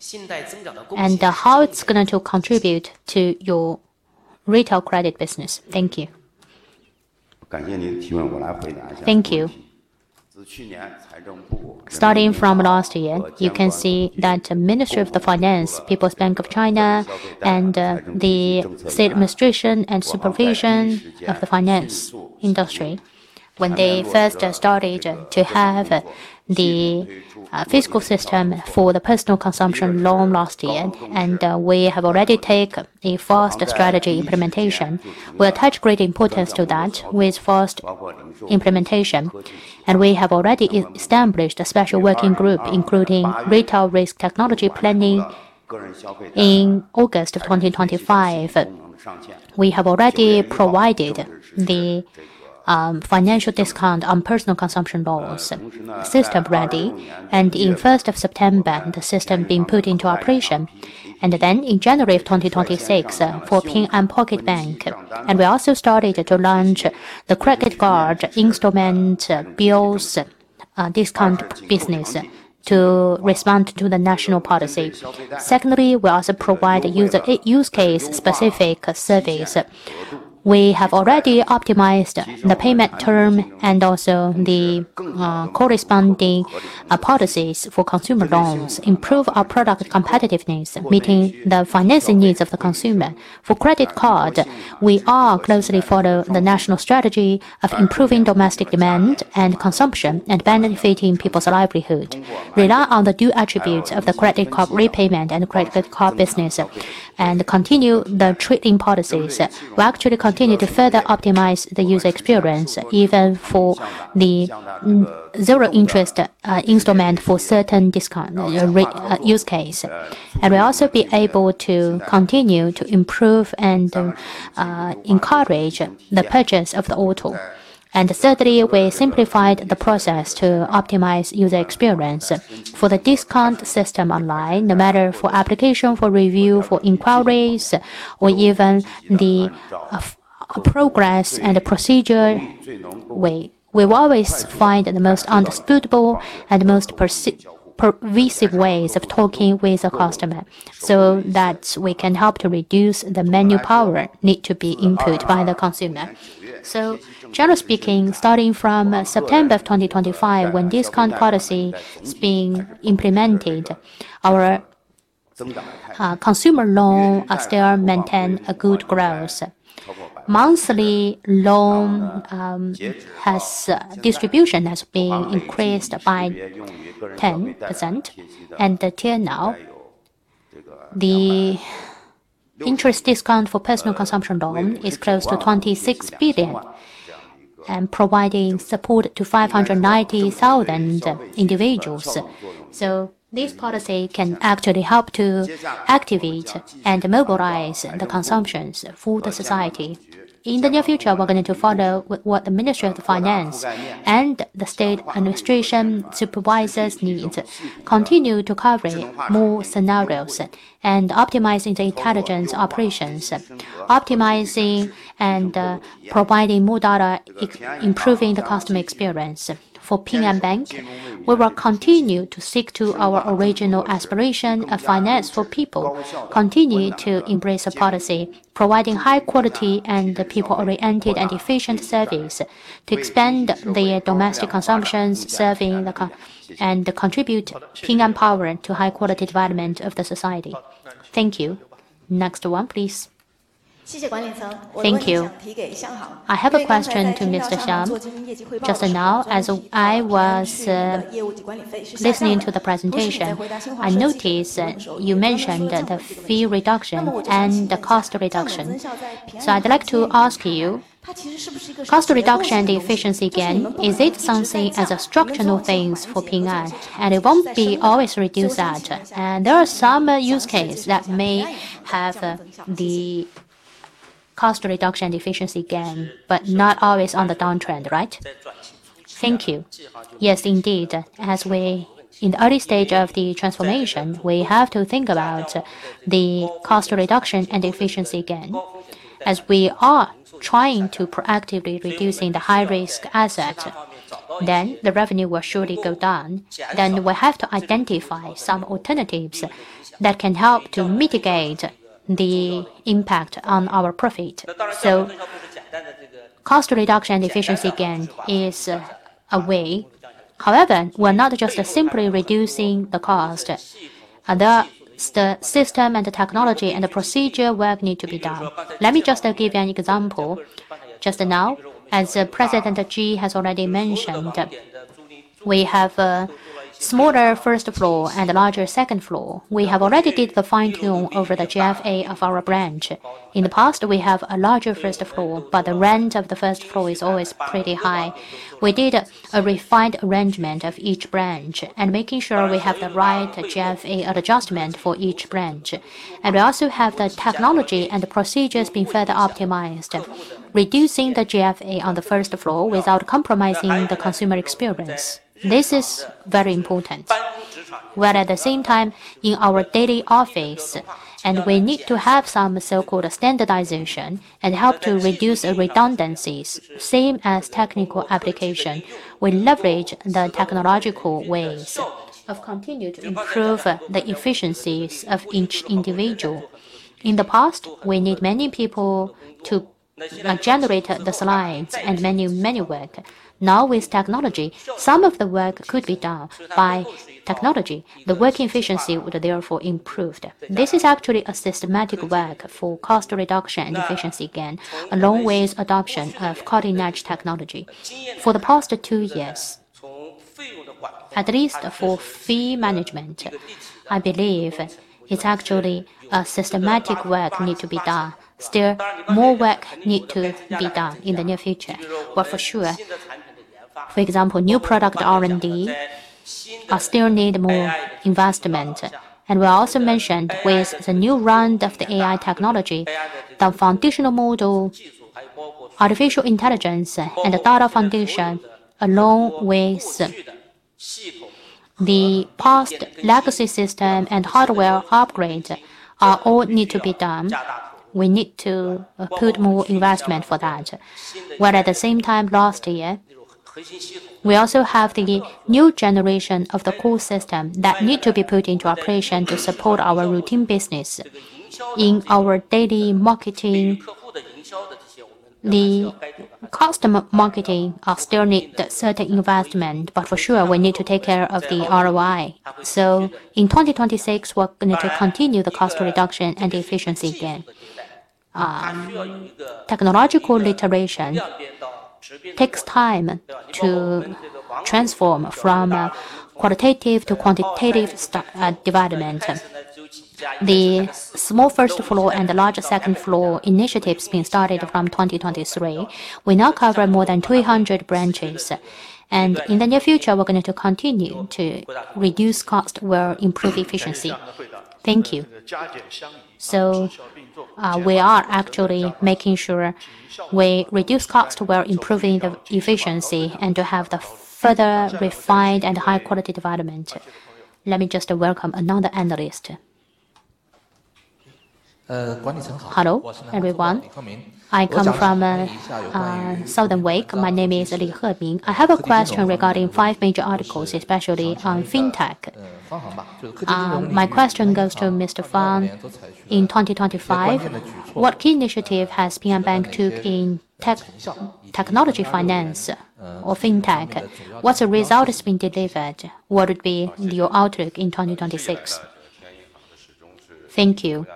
How it's going to contribute to your retail credit business? Thank you. Thank you. Starting from last year, you can see that Ministry of Finance, People's Bank of China and the National Financial Regulatory Administration, when they first started to have the financial system for the personal consumption loan last year, we have already take a fast strategy implementation. We attach great importance to that with fast implementation. We have already established a special working group, including retail risk technology planning in August of 2025. We have already provided the financial discount on personal consumption loans system ready. In first of September, the system being put into operation. In January of 2026 for Ping An Pocket Bank. We also started to launch the credit card installment bills discount business to respond to the national policy. Secondly, we also provide user use case specific service. We have already optimized the payment term and also the corresponding policies for consumer loans, improve our product competitiveness, meeting the financing needs of the consumer. For credit card, we are closely follow the national strategy of improving domestic demand and consumption and benefiting people's livelihood, rely on the due attributes of the credit card repayment and credit card business and continue the treating policies. We actually continue to further optimize the user experience even for the zero interest installment for certain discount or use case. We'll also be able to continue to improve and encourage the purchase of the auto. Thirdly, we simplified the process to optimize user experience. For the discount system online, no matter for application, for review, for inquiries or even the progress and the procedure, we always find the most understandable and most pervasive ways of talking with the customer so that we can help to reduce the manpower need to be input by the consumer. Generally speaking, starting from September of 2025 when discount policy is being implemented, our Consumer loan are still maintain a good growth. Monthly loan distribution has been increased by 10%. Until now, the interest discount for personal consumption loan is close to 26 billion, providing support to 590,000 individuals. This policy can actually help to activate and mobilize the consumptions for the society. In the near future, we're going to follow what the Ministry of Finance and the National Financial Regulatory Administration needs, continue to cover more scenarios and optimizing the intelligence operations, providing more data, improving the customer experience. For Ping An Bank, we will continue to stick to our original aspiration of finance for people. Continue to embrace the policy, providing high quality and people-oriented and efficient service to expand the domestic consumptions, serving the country and contribute Ping An power to high quality development of the society. Thank you. Next one, please. Thank you. I have a question to Mr. Xiang. Just now as I was listening to the presentation, I noticed that you mentioned the fee reduction and the cost reduction. So I'd like to ask you, cost reduction and efficiency gain, is it something as a structural thing for Ping An? And it won't be always reduced at. And there are some use case that may have the cost reduction efficiency gain, but not always on the downside, right? Thank you. Yes, indeed. In the early stage of the transformation, we have to think about the cost reduction and efficiency gain. As we are trying to proactively reducing the high-risk asset, then the revenue will surely go down. Then we have to identify some alternatives that can help to mitigate the impact on our profit. Cost reduction efficiency gain is a way. However, we're not just simply reducing the cost. The system and the technology and the procedures need to be done. Let me just give you an example. Just now, as President Ji has already mentioned, we have a smaller first floor and a larger second floor. We have already did the fine-tune over the GFA of our branch. In the past, we have a larger first floor, but the rent of the first floor is always pretty high. We did a refined arrangement of each branch and making sure we have the right GFA adjustment for each branch. We also have the technology and the procedures being further optimized, reducing the GFA on the first floor without compromising the consumer experience. This is very important. While at the same time in our daily office, and we need to have some so-called standardization and help to reduce redundancies, same as technical application. We leverage the technological ways of continue to improve the efficiencies of each individual. In the past, we need many people to generate the slides and many, many work. Now with technology, some of the work could be done by technology. The work efficiency would therefore improved. This is actually a systematic work for cost reduction and efficiency gain, along with adoption of cutting-edge technology. For the past two years, at least for fee management, I believe it's actually a systematic work need to be done. Still, more work need to be done in the near future. But for sure, for example, new product R&D still need more investment. We also mentioned with the new round of the AI technology, the foundational model, artificial intelligence and the data foundation along with the past legacy system and hardware upgrades are all need to be done. We need to put more investment for that. While at the same time last year, we also have the new generation of the core system that need to be put into operation to support our routine business. In our daily marketing, the customer marketing are still need the certain investment, but for sure we need to take care of the ROI. In 2026, we're going to continue the cost reduction and efficiency gain. Technological iteration takes time to transform from a qualitative to quantitative development. The small first floor and the larger second floor initiatives being started from 2023. We now cover more than 300 branches. In the near future, we're going to continue to reduce cost while improve efficiency. Thank you. We are actually making sure we reduce cost while improving the efficiency and to have the further refined and high quality development. Let me just welcome another analyst. Hello everyone. I come from Southern Weekend. My name is [Li Heming]. I have a question regarding five major articles, especially on Fintech. My question goes to Mr. Fang. In 2025, what key initiative has Ping An Bank took in technology finance or Fintech? What's the result that's been delivered? What would be your outlook in 2026? Thank you.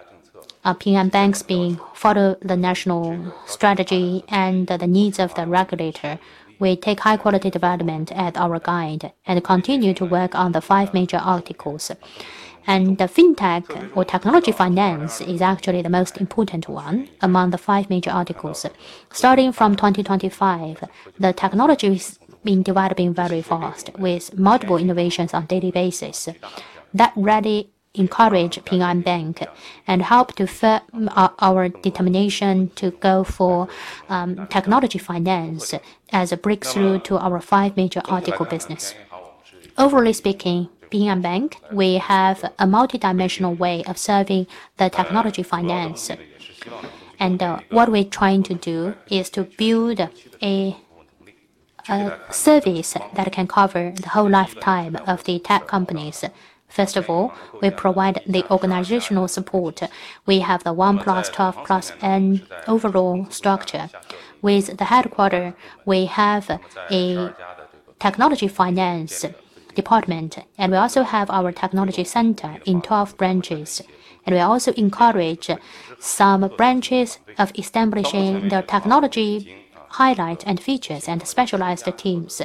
Ping An Bank's been follow the national strategy and the needs of the regulator. We take high quality development as our guide and continue to work on the five major articles. The fintech or technology finance is actually the most important one among the five major articles. Starting from 2025, the technology is been developing very fast with multiple innovations on daily basis. That really encourage Ping An Bank and help to firm our our determination to go for technology finance as a breakthrough to our five major articles business. Overall speaking, Ping An Bank, we have a multidimensional way of serving the technology finance. What we're trying to do is to build a service that can cover the whole lifetime of the tech companies. First of all, we provide the organizational support. We have the one plus twelve plus N overall structure. With the headquarters, we have a technology finance department, and we also have our technology center in 12 branches. We also encourage some branches of establishing the technology highlights and features and specialized teams.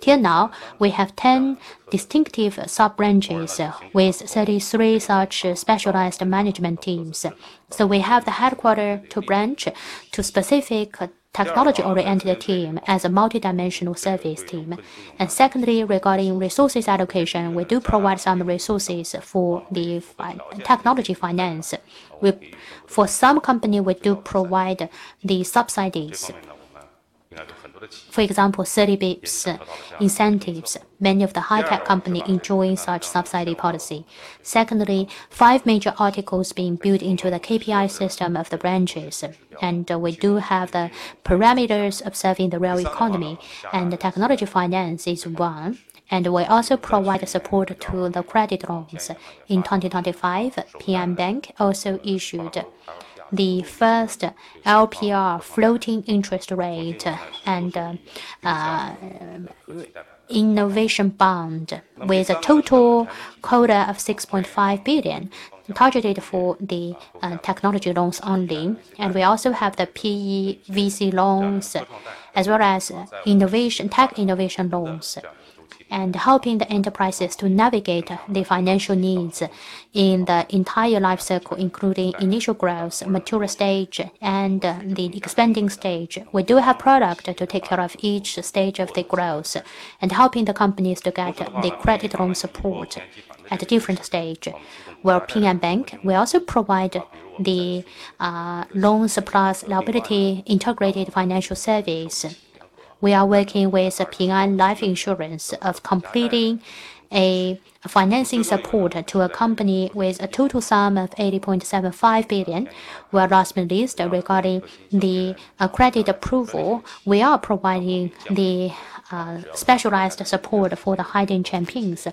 Till now, we have 10 distinctive sub-branches with 33 such specialized management teams. We have the headquarters to branch to specific technology-oriented team as a multidimensional service team. Secondly, regarding resources allocation, we do provide some resources for the technology finance. For some company, we do provide the subsidies. For example, 30 bps incentives. Many of the high-tech company enjoy such subsidy policy. Secondly, five major articles being built into the KPI system of the branches. We do have the parameters of serving the real economy, and the technology finance is one. We also provide the support to the credit loans. In 2025, Ping An Bank also issued the first LPR floating interest rate and innovation bond with a total quota of 6.5 billion targeted for the technology loans only. We also have the PE VC loans as well as innovation, tech innovation loans helping the enterprises to navigate the financial needs in the entire life cycle, including initial growth, mature stage, and the expanding stage. We do have product to take care of each stage of the growth and helping the companies to get the credit loan support at a different stage. While Ping An Bank, we also provide the loan supply chain liability integrated financial service. We are working with Ping An Life Insurance on completing a financing support to a company with a total sum of 80.75 billion. Last but not least, regarding the credit approval, we are providing the specialized support for the hidden champions.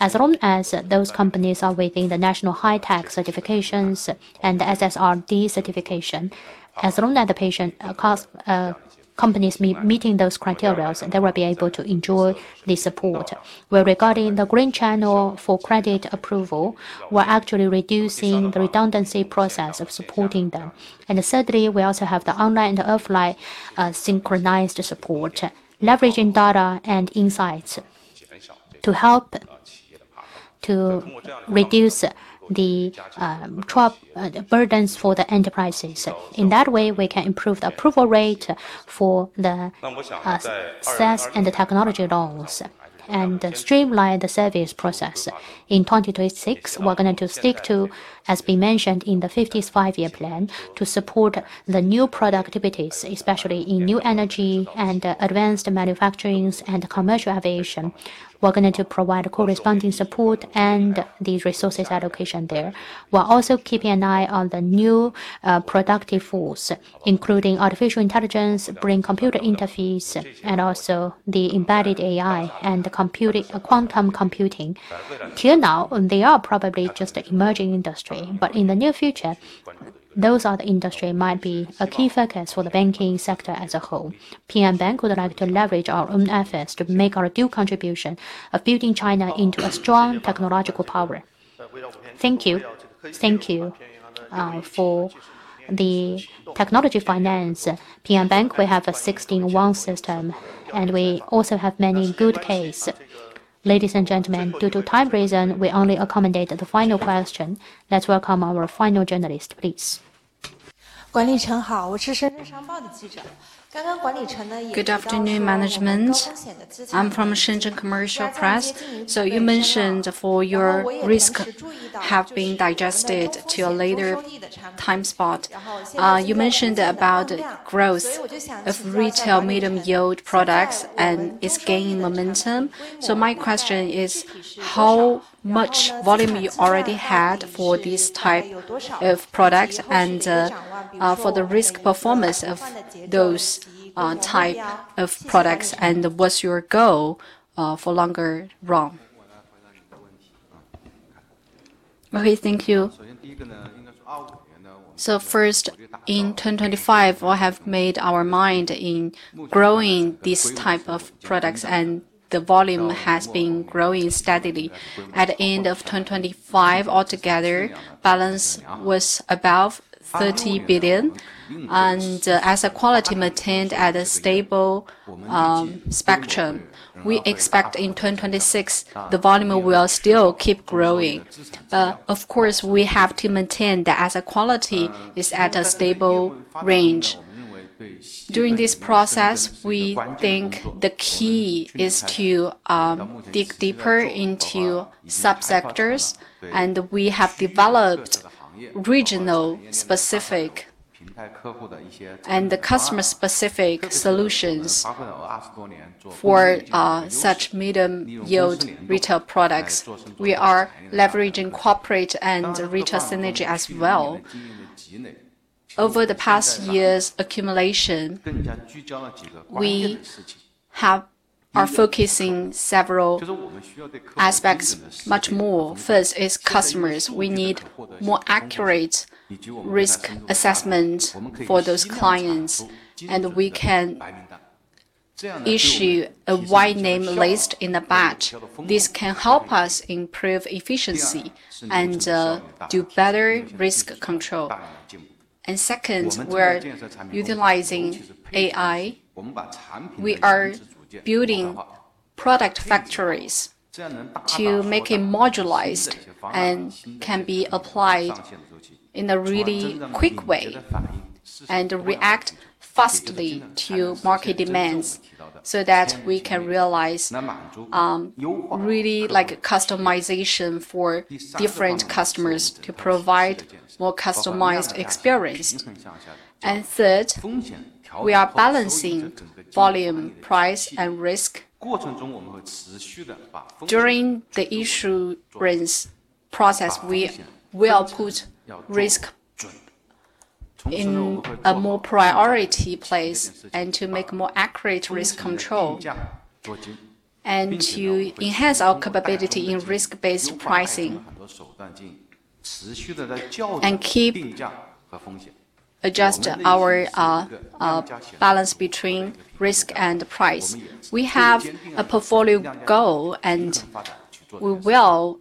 As long as those companies are within the national high-tech certifications and the SRDI certification, as long as those companies meet those criteria, they will be able to enjoy the support. With regard to the green channel for credit approval, we're actually reducing the redundant processes of supporting them. Thirdly, we also have the online and offline synchronized support, leveraging data and insights to help to reduce the burdens for the enterprises. In that way, we can improve the approval rate for the S&T and the technology loans and streamline the service process. In 2026, we're going to stick to, as we mentioned in the Fifteenth Five-Year Plan, to support the new productivities, especially in new energy and advanced manufacturing and commercial aviation. We're going to provide corresponding support and the resource allocation there, while also keeping an eye on the new productive force, including artificial intelligence, brain-computer interface, and also the embedded AI and the quantum computing. Till now, they are probably just an emerging industry, but in the near future, those are the industry might be a key focus for the banking sector as a whole. Ping An Bank would like to leverage our own efforts to make our due contribution to building China into a strong technological power. Thank you. Thank you for the technology finance. Ping An Bank, we have a 16-1 system, and we also have many good cases. Ladies and gentlemen, due to time reason, we only accommodate the final question. Let's welcome our final journalist, please. Good afternoon, management. I'm from Shenzhen Commercial Daily. You mentioned for your risk have been digested to a later time spot. You mentioned about growth of retail medium yield products and it's gaining momentum. My question is how much volume you already had for this type of product and, for the risk performance of those type of products, and what's your goal for longer run? Okay, thank you. First, in 2025, we have made up our mind on growing this type of products, and the volume has been growing steadily. At the end of 2025, altogether balance was above 30 billion. As the quality maintained at a stable spectrum, we expect in 2026 the volume will still keep growing. Of course, we have to maintain the asset quality is at a stable range. During this process, we think the key is to dig deeper into subsectors, and we have developed region-specific and customer-specific solutions for such medium-yield retail products. We are leveraging corporate and retail synergy as well. Over the past years accumulation, we are focusing several aspects much more. First is customers. We need more accurate risk assessment for those clients, and we can issue a whitelist in the batch. This can help us improve efficiency and do better risk control. Second, we're utilizing AI. We are building product factories to make it modularized and can be applied in a really quick way and react faster to market demands so that we can realize really like customization for different customers to provide more customized experience. Third, we are balancing volume, price, and risk. During the issuance process, we will put risk in a more priority place and to make more accurate risk control and to enhance our capability in risk-based pricing and keep adjust our balance between risk and price. We have a portfolio goal, and we will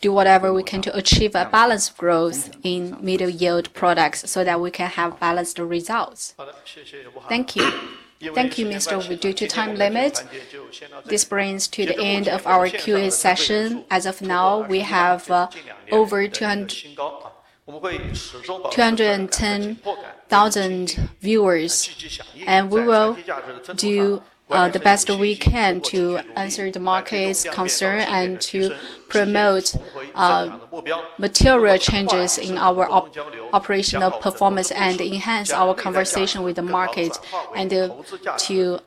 do whatever we can to achieve a balanced growth in middle yield products so that we can have balanced results. Thank you. Thank you, Mr. Wu. Due to time limit, this brings to the end of our Q&A session. As of now, we have over 210,000 viewers, and we will do the best we can to answer the market's concern and to promote material changes in our operational performance and enhance our conversation with the market and to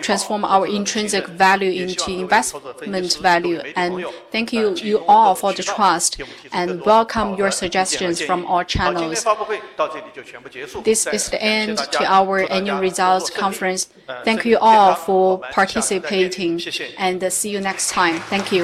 transform our intrinsic value into investment value. Thank you all for the trust and welcome your suggestions from all channels. This is the end to our annual results conference. Thank you all for participating, and see you next time. Thank you.